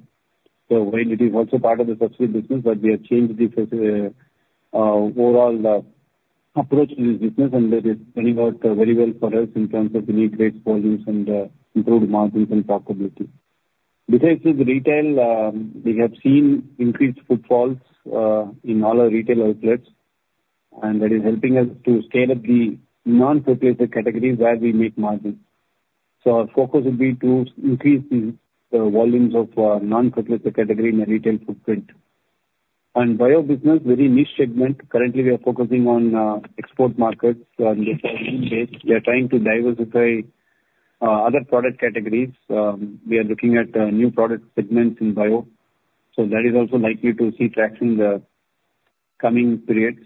So while it is also part of the subsidy business, but we have changed the overall approach to this business, and that is working out very well for us in terms of unique sales volumes and improved margins and profitability. Besides this retail, we have seen increased footfalls in all our retail outlets, and that is helping us to scale up the non-fertilizer categories where we make margins. Our focus will be to increase the volumes of non-fertilizer category in the retail footprint. And bio business, very niche segment. Currently, we are focusing on export markets. We are trying to diversify other product categories. We are looking at new product segments in bio, so that is also likely to see traction in the coming periods.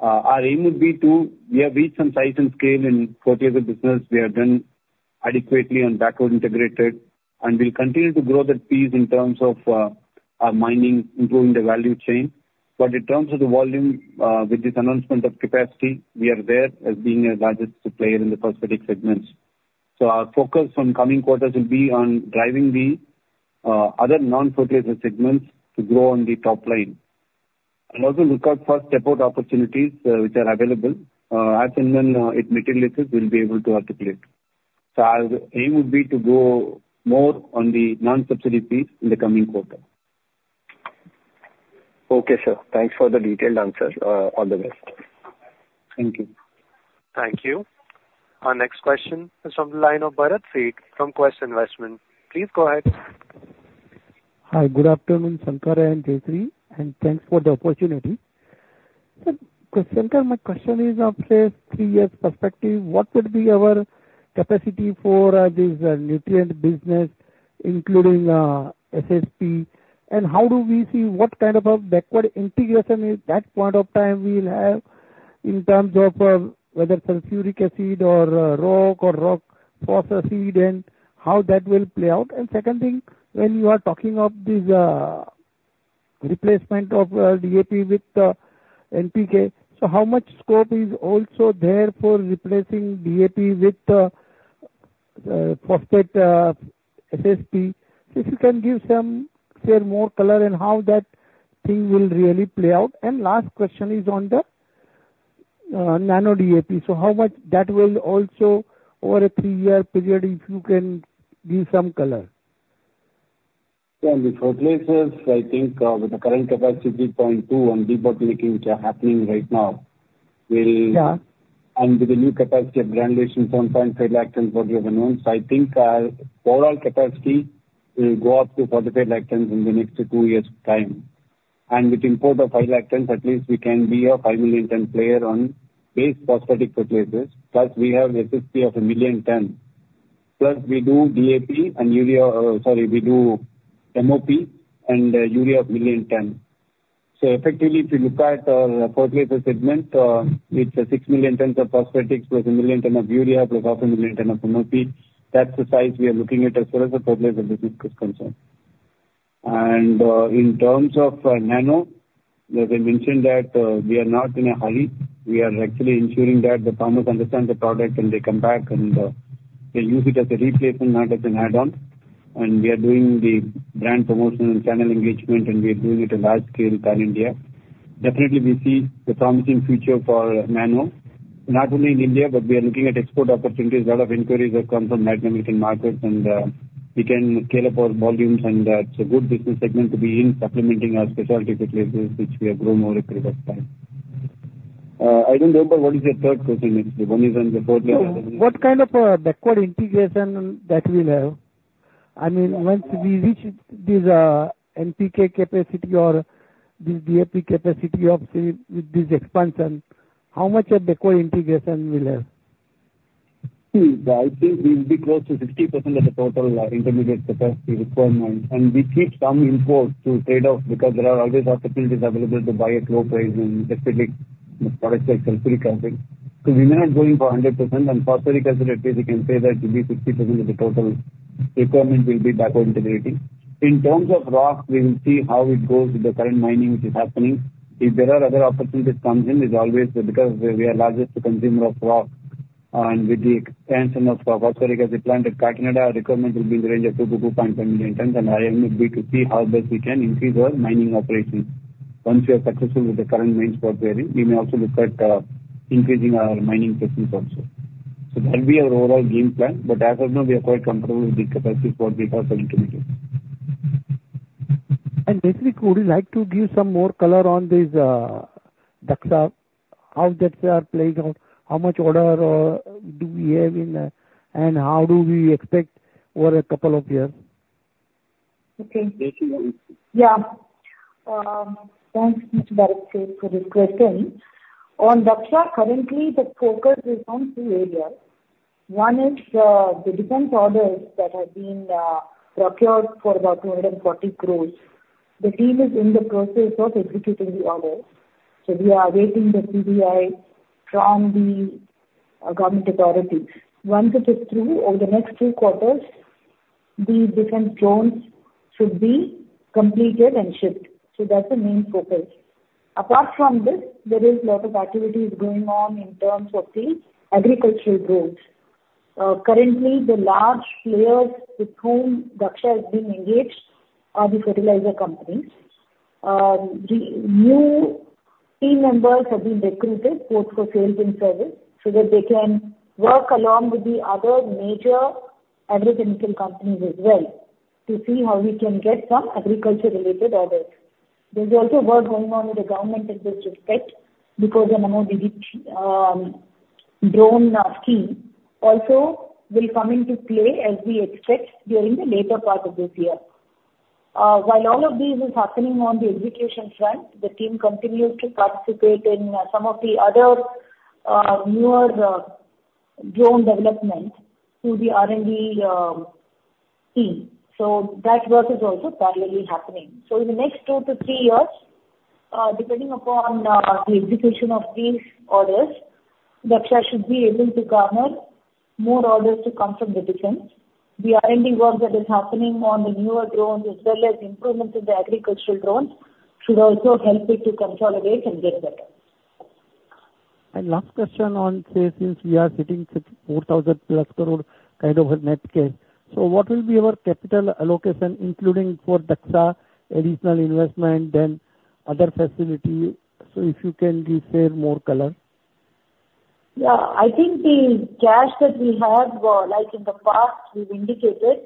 Our aim would be to, we have reached some size and scale in fertilizer business. We have done adequately and backward integrated, and we'll continue to grow that piece in terms of our mining, improving the value chain. But in terms of the volume, with this announcement of capacity, we are there as being the largest player in the phosphatic segments. So our focus on coming quarters will be on driving the other non-fertilizer segments to grow on the top line. And also look out for step out opportunities, which are available. As and when it materializes, we'll be able to articulate. So our aim would be to go more on the non-subsidy piece in the coming quarter. Okay, sir. Thanks for the detailed answers. All the best. Thank you. Thank you. Our next question is from the line of Bharat Singh from Quest Investment Advisors. Please go ahead. Hi, good afternoon, Sankar and Jayashree, and thanks for the opportunity. Sir, Sankar, my question is of, say, three years perspective, what would be our capacity for this nutrient business, including SSP? And how do we see what kind of a backward integration at that point of time we'll have in terms of whether sulfuric acid or rock phosphate seed, and how that will play out? And second thing, when you are talking of this replacement of DAP with NPK, so how much scope is also there for replacing DAP with phosphate SSP? If you can give some, say, more color on how that thing will really play out. And last question is on the Nano DAP. So how much that will also, over a three-year period, if you can give some color. On the four places, I think, with the current capacity, 3.2, and which are happening right now, will- Yeah. And with the new capacity augmentation from 0.5 lakh tons what we have announced, I think, overall capacity will go up to 45 lakh tons in the next two years' time. And with import of 5 lakh tons, at least we can be a 5 million-ton player on based phosphatic fertilizers, plus we have SSP of 1 million ton. Plus we do DAP and urea, sorry, we do MOP and, urea of 1 million ton. So effectively, if you look at, fertilizer segment, it's 6 million tons of phosphate, plus 1 million ton of urea, plus 500,000 tons of MOP. That's the size we are looking at as far as the fertilizer business is concerned. And, in terms of, Nano, as I mentioned that, we are not in a hurry. We are actually ensuring that the farmers understand the product, and they come back and, they use it as a replacement, not as an add-on. And we are doing the brand promotion and channel engagement, and we are doing it on a large scale pan-India. Definitely, we see the promising future for Nano, not only in India, but we are looking at export opportunities. A lot of inquiries have come from Latin American markets, and, we can scale up our volumes, and, it's a good business segment to be in, supplementing our specialty fertilizers, which we have grown over a period of time. I don't remember, what is your third question? One is on the fourth one. What kind of backward integration that we'll have? I mean, once we reach this NPK capacity or this DAP capacity of say, with this expansion, how much of backward integration we'll have? I think we'll be close to 60% of the total intermediate capacity requirement. We keep some import to trade off, because there are always opportunities available to buy at low price, and especially products like sulfuric acid. We may not going for 100%, and phosphoric acid, at least we can say that will be 60% of the total requirement will be backward integrating. In terms of rock, we will see how it goes with the current mining which is happening. If there are other opportunities comes in, it's always... Because we are largest consumer of rock, and with the expansion of phosphate as we planned at Karnataka, our requirement will be in the range of 2 million tons-2.5 million tons, and our aim would be to see how best we can increase our mining operations. Once we are successful with the current mines preparation, we may also look at increasing our mining presence also. So that will be our overall game plan, but as of now, we are quite comfortable with the capacity what we have as intermediate. Jayashree, would you like to give some more color on this, Dhaksha? How Dhaksha are playing out? How much order do we have in, and how do we expect over a couple of years? Okay. Yeah. Thanks, Bharat Singh, for this question. On Dhaksha, currently, the focus is on two areas. One is the defense orders that have been procured for about 240 crore. The team is in the process of executing the order, so we are awaiting the PDI from the government authority. Once it is through, over the next two quarters, the different drones should be completed and shipped. So that's the main focus. Apart from this, there is a lot of activities going on in terms of the agricultural drones. Currently, the large players with whom Dhaksha has been engaged are the fertilizer companies. The new team members have been recruited both for sales and service, so that they can work along with the other major agricultural companies as well, to see how we can get some agriculture-related orders. There's also work going on with the government in this respect, because remember the drone scheme also will come into play as we expect during the later part of this year. While all of this is happening on the execution front, the team continues to participate in some of the other newer drone development through the R&D team, so that work is also parallelly happening, so in the next two to three years, depending upon the execution of these orders, Dhaksha should be able to garner more orders to come from the defense. The R&D work that is happening on the newer drones, as well as improvements in the agricultural drones, should also help it to consolidate and get better. Last question on, say, since we are sitting with 4,000-plus crore kind of a net cash, so what will be our capital allocation, including for Dhaksha, additional investment, then other facility? So if you can please share more color. Yeah, I think the cash that we have, like in the past, we've indicated,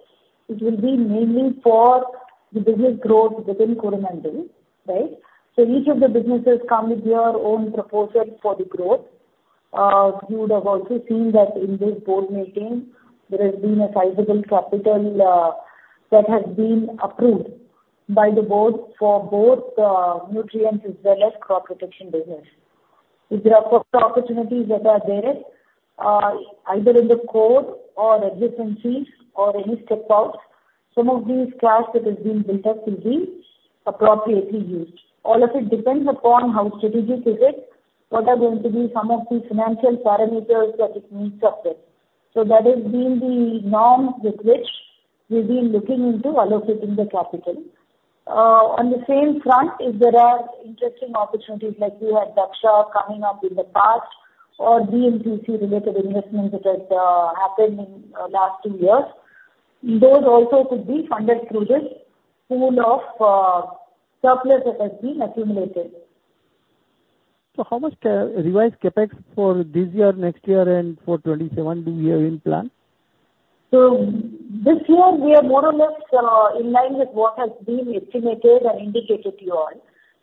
it will be mainly for the business growth within Coromandel, right? So each of the businesses come with their own proposals for the growth. You would have also seen that in this board meeting, there has been a sizable capital that has been approved by the board for both, nutrients as well as crop protection business. If there are opportunities that are there, either in the core or adjacencies or any step out, some of these cash that has been built up will be appropriately used. All of it depends upon how strategic is it, what are going to be some of the financial parameters that it needs of it. So that has been the norm with which we've been looking into allocating the capital. On the same front, if there are interesting opportunities like we had Dhaksha coming up in the past or BMCC related investment that has happened in last two years, those also could be funded through this pool of surplus that has been accumulated. How much revised CapEx for this year, next year, and for 2027 do we have in plan? So this year, we are more or less, in line with what has been estimated and indicated to you all.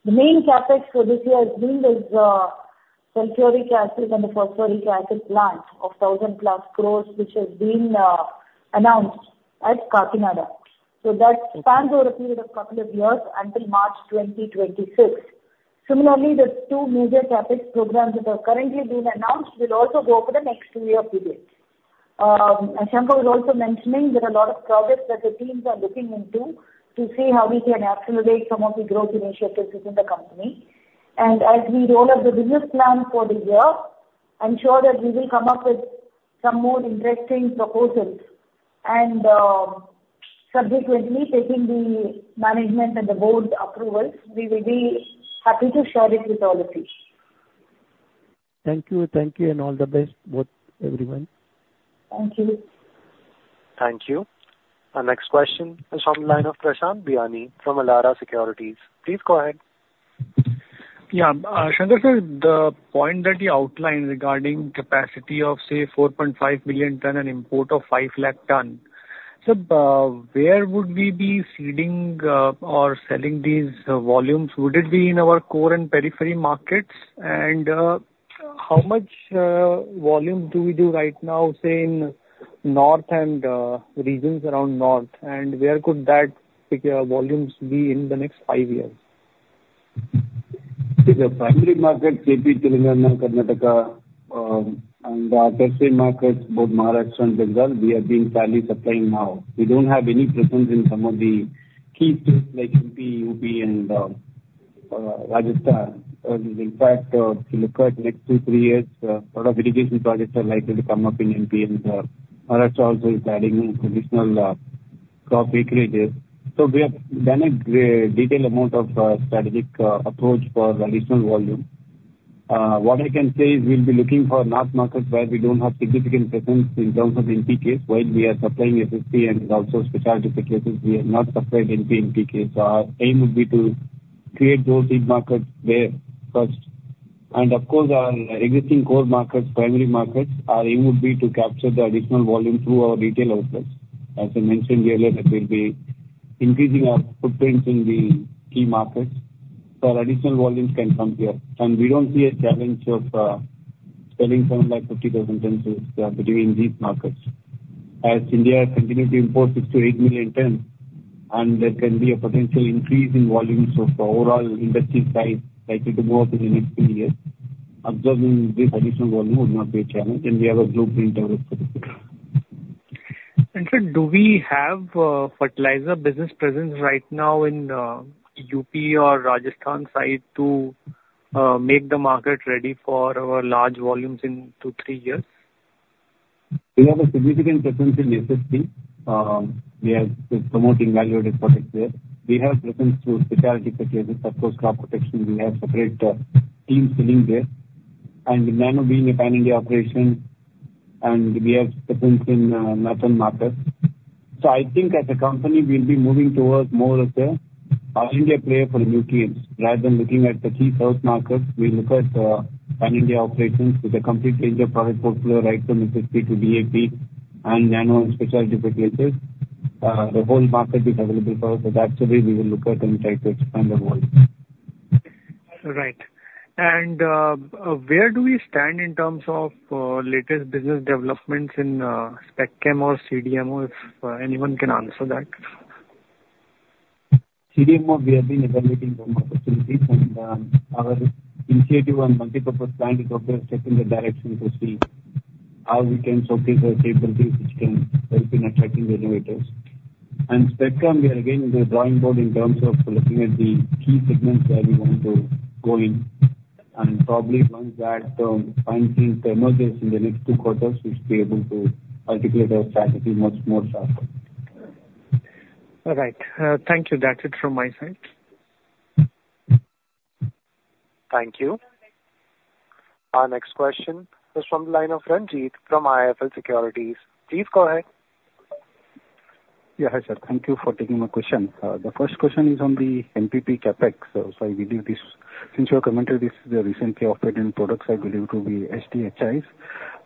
The main CapEx for this year has been the sulfuric acid and the phosphoric acid plant of 1,000+ crores, which has been announced at Kakinada. So that spans over a period of couple of years until March twenty twenty-six. Similarly, the two major CapEx programs that are currently being announced will also go over the next two-year period. And Shankar was also mentioning there are a lot of projects that the teams are looking into to see how we can accelerate some of the growth initiatives within the company. And as we roll out the business plan for the year, I'm sure that we will come up with some more interesting proposals. Subsequently, taking the management and the board approvals, we will be happy to share it with all of you. Thank you. Thank you, and all the best, both, everyone. Thank you. Thank you. Our next question is from the line of Prashant Biyani from Elara Securities. Please go ahead. Yeah. Sankar, sir, the point that you outlined regarding capacity of, say, four point five million ton and import of five lakh ton. So, where would we be seeding, or selling these, volumes? Would it be in our core and periphery markets? And, how much, volume do we do right now, say, in North and, regions around North? And where could that particular volumes be in the next five years? The primary market, AP, Telangana, Karnataka, and the tertiary markets, both Maharashtra and Gujarat, we have been fairly supplying now. We don't have any presence in some of the key states like MP, UP and Rajasthan. In fact, if you look at next two, three years, lot of irrigation projects are likely to come up in MP, and Maharashtra also is adding in additional crop acreages. So we have done a detailed amount of strategic approach for additional volume. What I can say is we'll be looking for north markets where we don't have significant presence in terms of NPKs. While we are supplying SSP and also specialty fertilizers, we have not supplied NP and PK. So our aim would be to create those big markets there first. And of course, our existing core markets, primary markets, our aim would be to capture the additional volume through our retail outlets. As I mentioned earlier, that we'll be increasing our footprint in the key markets, so our additional volumes can come here. And we don't see a challenge of selling something like 50,000 tons is between these markets. As India continues to import 6-8 million tons, and there can be a potential increase in volumes of the overall industry size, likely to go up in the next few years. Observing this additional volume would not be a challenge, and we have a Gromor built out. Sir, do we have fertilizer business presence right now in UP or Rajasthan side to make the market ready for our large volumes in two, three years? We have a significant presence in SSP. We are promoting value-added products there. We have presence through specialty fertilizers. Of course, crop protection, we have separate teams selling there, and Nano being a pan-India operation, and we have presence in certain markets, so I think as a company, we'll be moving towards more of the all-India player for nutrients. Rather than looking at the key first markets, we look at pan-India operations with a complete range of product portfolio, right from SSP to DAP and Nano and specialty fertilizers. The whole market is available for us, so that's the way we will look at and try to expand the volume.... Right, and where do we stand in terms of latest business developments in Spec Chem or CDMO, if anyone can answer that? CDMO, we have been evaluating some opportunities, and our initiative on multipurpose plant is also step in the direction to see how we can showcase our capabilities, which can help in attracting the innovators. And Spec Chem, we are again in the drawing board in terms of looking at the key segments where we want to go in, and probably once that finally emerges in the next two quarters, we'll be able to articulate our strategy much more faster. All right. Thank you. That's it from my side. Thank you. Our next question is from the line of Ranjeet from IIFL Securities. Please go ahead. Yeah, hi, sir. Thank you for taking my question. The first question is on the NPK CapEx. So I believe this, since you have commented this is a recently offered end products, I believe to be SDHIs.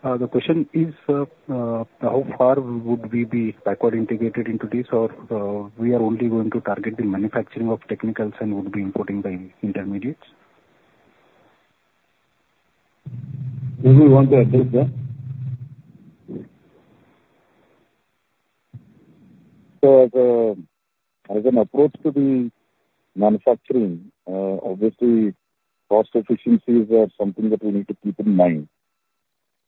The question is, how far would we be backward integrated into this, or, we are only going to target the manufacturing of technicals and would be importing the intermediates? Do you want to address that? So as an approach to the manufacturing, obviously, cost efficiencies are something that we need to keep in mind.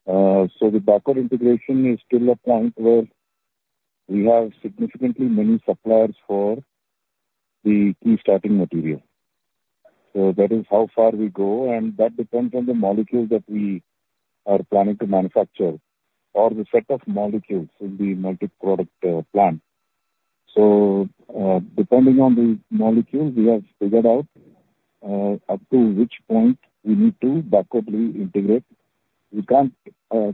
So the backward integration is still a point where we have significantly many suppliers for the key starting material. So that is how far we go, and that depends on the molecules that we are planning to manufacture or the set of molecules in the multiproduct plant. So depending on the molecules, we have figured out up to which point we need to backwardly integrate. We can't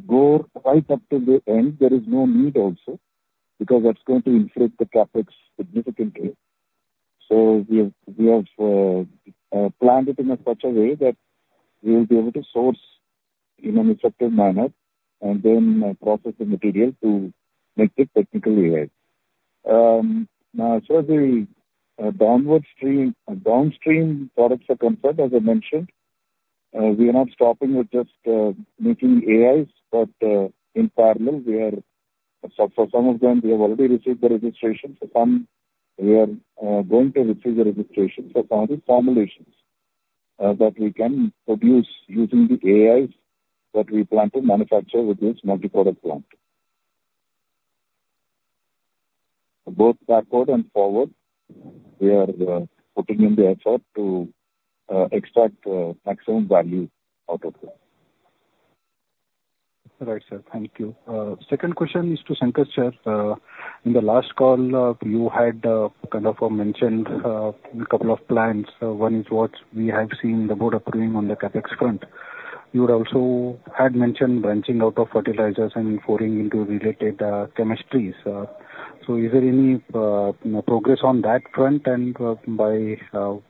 go right up to the end. There is no need also, because that's going to inflate the CapEx significantly. So we have planned it in such a way that we will be able to source in an effective manner and then process the material to make it technically right. As far as the downstream products are concerned, as I mentioned, we are not stopping with just making AIs, but in parallel, we are. For some of them, we have already received the registration. For some, we are going to receive the registration for some of the formulations that we can produce using the AIs that we plan to manufacture with this multi-purpose plant. Both backward and forward, we are putting in the effort to extract maximum value out of it. Right, sir. Thank you. Second question is to Shankar, sir. In the last call, you had kind of mentioned a couple of plans. One is what we have seen the board approving on the CapEx front. You had also had mentioned branching out of fertilizers and foraying into related chemistries. So is there any progress on that front, and by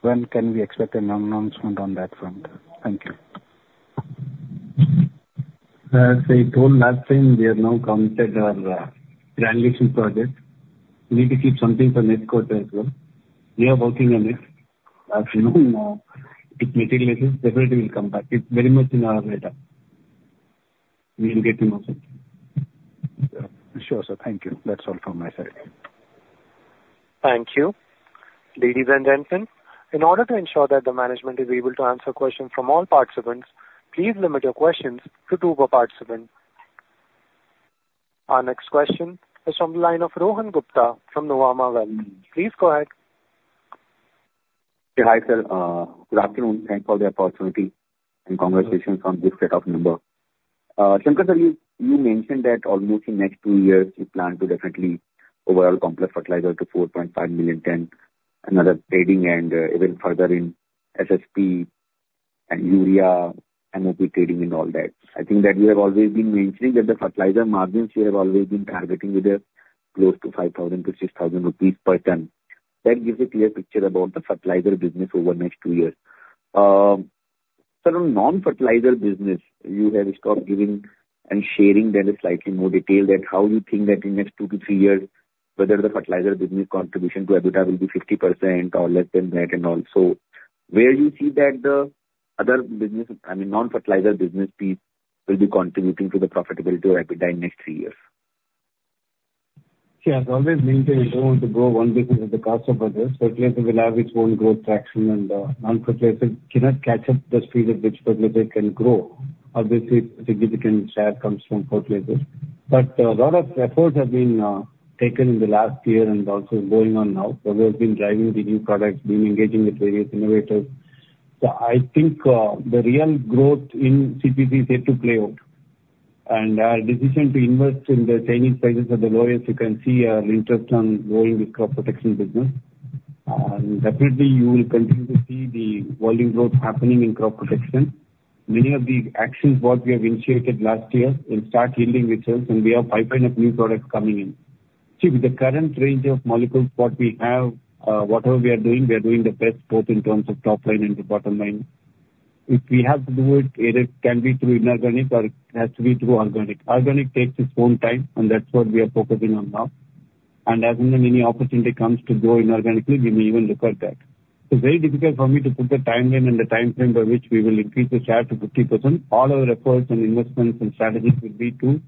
when can we expect an announcement on that front? Thank you. As I told last time, we have now completed our translation project. We need to keep something for next quarter as well. We are working on it. As you know, with materials, everything will come back. It's very much in our radar. We will get you more soon. Sure, sir. Thank you. That's all from my side. Thank you. Ladies and gentlemen, in order to ensure that the management is able to answer questions from all participants, please limit your questions to two per participant. Our next question is from the line of Rohan Gupta from Nomura Wealth. Please go ahead. Hi, sir. Good afternoon. Thanks for the opportunity and congratulations on this set of numbers. Shankar, sir, you, you mentioned that almost in next two years, you plan to definitely overall complex fertilizer to 4.5 million ton, another trading and even further in SSP and urea, MOP trading and all that. I think that you have always been mentioning that the fertilizer margins you have always been targeting with a close to 5,000-6,000 rupees per ton. That gives a clear picture about the fertilizer business over the next two years. Sir, on non-fertilizer business, you have stopped giving and sharing that in slightly more detail, that how you think that in next two to three years, whether the fertilizer business contribution to EBITDA will be 50% or less than that, and also where do you see that the other business, I mean, non-fertilizer business piece, will be contributing to the profitability or EBITDA in next three years? Yeah, as always maintained, we don't want to grow one business at the cost of others. Fertilizer will have its own growth traction, and non-fertilizer cannot catch up the speed at which fertilizer can grow. Obviously, significant share comes from fertilizers. But a lot of efforts have been taken in the last year and also going on now. So we have been driving the new products, been engaging with various innovators. So I think the real growth in CPC is yet to play out, and our decision to invest in the Ankaleshwar MPP, you can see our interest on growing the crop protection business. And definitely, you will continue to see the volume growth happening in crop protection. Many of the actions what we have initiated last year will start yielding results, and we have pipeline of new products coming in. See, with the current range of molecules, what we have, whatever we are doing, we are doing the best, both in terms of top line and the bottom line.... If we have to do it, it can be through inorganic or it has to be through organic. Organic takes its own time, and that's what we are focusing on now. And as and when any opportunity comes to grow inorganically, we may even look at that. It's very difficult for me to put a timeline and the timeframe by which we will increase the share to 50%. All our efforts and investments and strategies will be to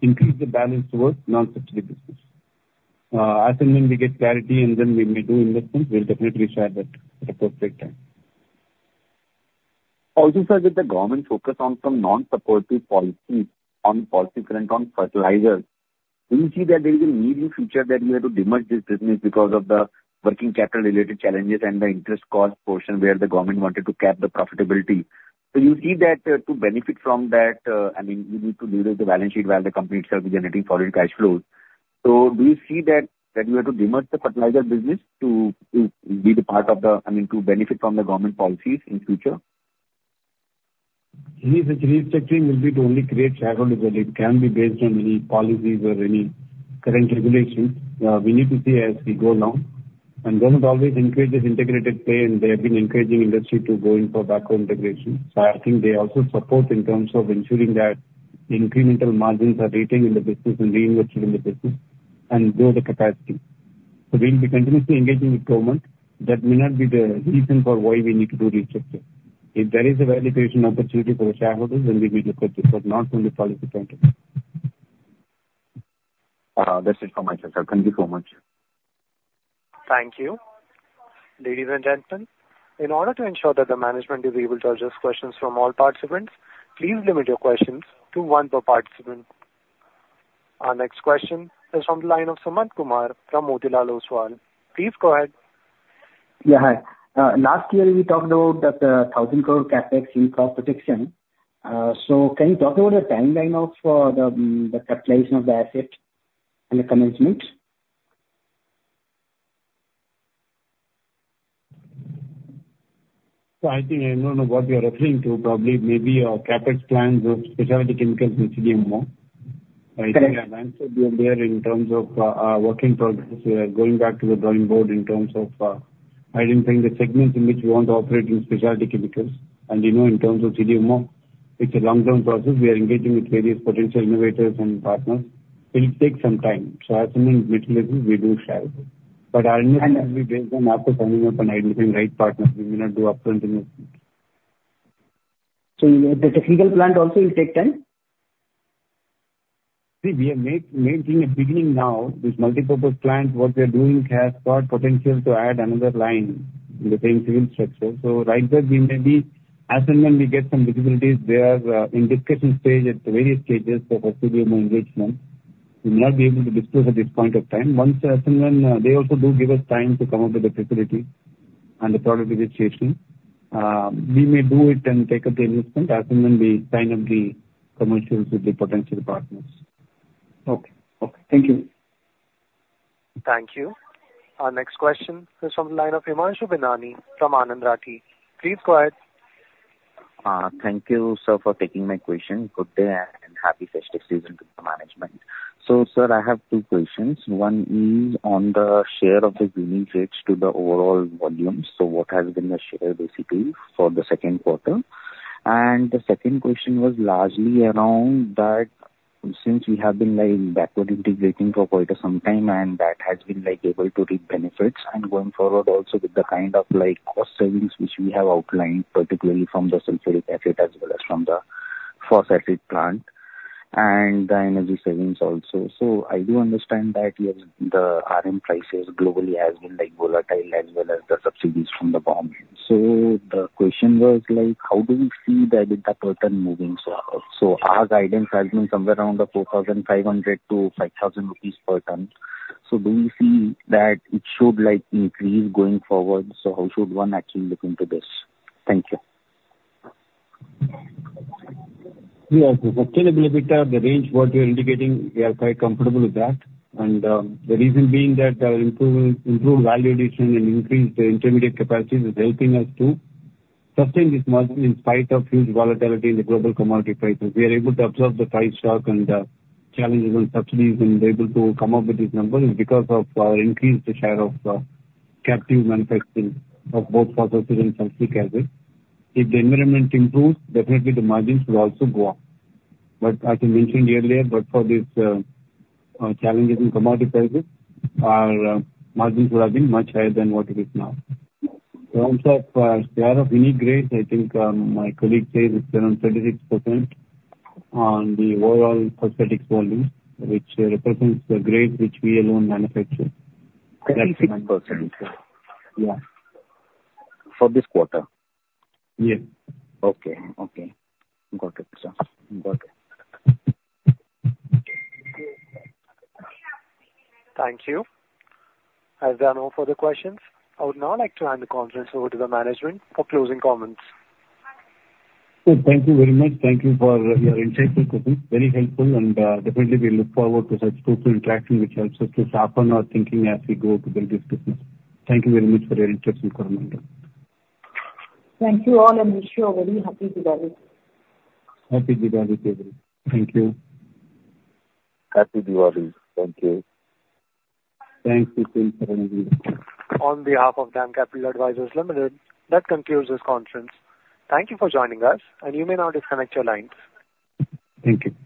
increase the balance towards non-fertilizer business. As and when we get clarity, and then we may do investments, we'll definitely share that at appropriate time. Also, sir, with the government focus on some non-supportive policies on policy front on fertilizers, do you see that there is a need in future that you have to demerge this business because of the working capital related challenges and the interest cost portion where the government wanted to cap the profitability? So you see that, to benefit from that, I mean, you need to de-risk the balance sheet while the company itself is generating solid cash flows. So do you see that you have to demerge the fertilizer business to be the part of the... I mean, to benefit from the government policies in future? Any such restructuring will be to only create shareholder value. It can be based on any policies or any current regulations. We need to see as we go along. And government always encourages integrated play, and they have been encouraging industry to go in for backward integration. So I think they also support in terms of ensuring that the incremental margins are retained in the business and reinvested in the business and grow the capacity. So we'll be continuously engaging with government. That may not be the reason for why we need to do restructuring. If there is a validation opportunity for the shareholders, then we will look at it, but not only policy front. That's it from my side, sir. Thank you so much. Thank you. Ladies and gentlemen, in order to ensure that the management is able to address questions from all participants, please limit your questions to one per participant. Our next question is from the line of Sumant Kumar from Motilal Oswal. Please go ahead. Yeah, hi. Last year we talked about that thousand crore CapEx in crop protection. So can you talk about the timeline now for the capitalization of the asset and the commencement? I think I don't know what you're referring to, probably maybe our CapEx plans or specialty chemicals or CDMO. Correct. I think I've answered you there in terms of our working progress. We are going back to the drawing board in terms of identifying the segments in which we want to operate in Specialty Chemicals. And, you know, in terms of CDMO, it's a long-term process. We are engaging with various potential innovators and partners. It'll take some time, so as and when we do share. But our investment will be based on, after summing up and identifying right partners, we will not do up-front investment. So the technical plant also will take time? See, we have made in the beginning now, this multipurpose plant. What we are doing has got potential to add another line in the same stream structure, so right there, we may be, as and when we get some visibility. They are in discussion stage at various stages of our CDMO engagement. We'll not be able to disclose at this point of time. Once, as and when they also do give us time to come up with the facility and the product registration, we may do it and take up the investment as and when we sign up the commercials with the potential partners. Okay. Okay, thank you. Thank you. Our next question is from the line of Himanshu Binani from Anand Rathi. Please go ahead. Thank you, sir, for taking my question. Good day, and happy festive season to the management. So, sir, I have two questions. One is on the share of the NPK rates to the overall volumes. So what has been the share, basically, for the second quarter? And the second question was largely around that since we have been, like, backward integrating for quite some time, and that has been, like, able to reap benefits, and going forward also with the kind of, like, cost savings which we have outlined, particularly from the sulfuric acid as well as from the phosphoric plant and the energy savings also. So I do understand that the RM prices globally has been, like, volatile as well as the subsidies from the government. So the question was like, how do we see the EBITDA per ton moving forward? Our guidance has been somewhere around 4,500-5,000 rupees per ton. Do you see that it should, like, increase going forward? How should one actually look into this? Thank you. Yeah. The sustainable EBITDA, the range what you're indicating, we are quite comfortable with that. And the reason being that, improved value addition and increased intermediate capacities is helping us to sustain this margin in spite of huge volatility in the global commodity prices. We are able to absorb the price shock and challenges on subsidies, and we're able to come up with these numbers because of increased share of captive manufacturing of both phosphoric and sulfuric acid. If the environment improves, definitely the margins will also go up. But as I mentioned earlier, but for these challenges in commodity prices, our margins would have been much higher than what it is now. In terms of share of unique grades, I think my colleague said it's around 36% on the overall phosphoric volume, which represents the grade which we alone manufacture. 36%? Yeah. For this quarter? Yes. Okay. Got it, sir. Thank you. As there are no further questions, I would now like to hand the conference over to the management for closing comments. So thank you very much. Thank you for your insightful questions. Very helpful, and definitely we look forward to such total interaction, which helps us to sharpen our thinking as we go through this business. Thank you very much for your interest in Coromandel. Thank you all, and wish you a very happy Diwali. Happy Diwali, everyone. Thank you. Happy Diwali. Thank you. Thanks again for everything. On behalf of DAM Capital Advisors Limited, that concludes this conference. Thank you for joining us, and you may now disconnect your lines. Thank you.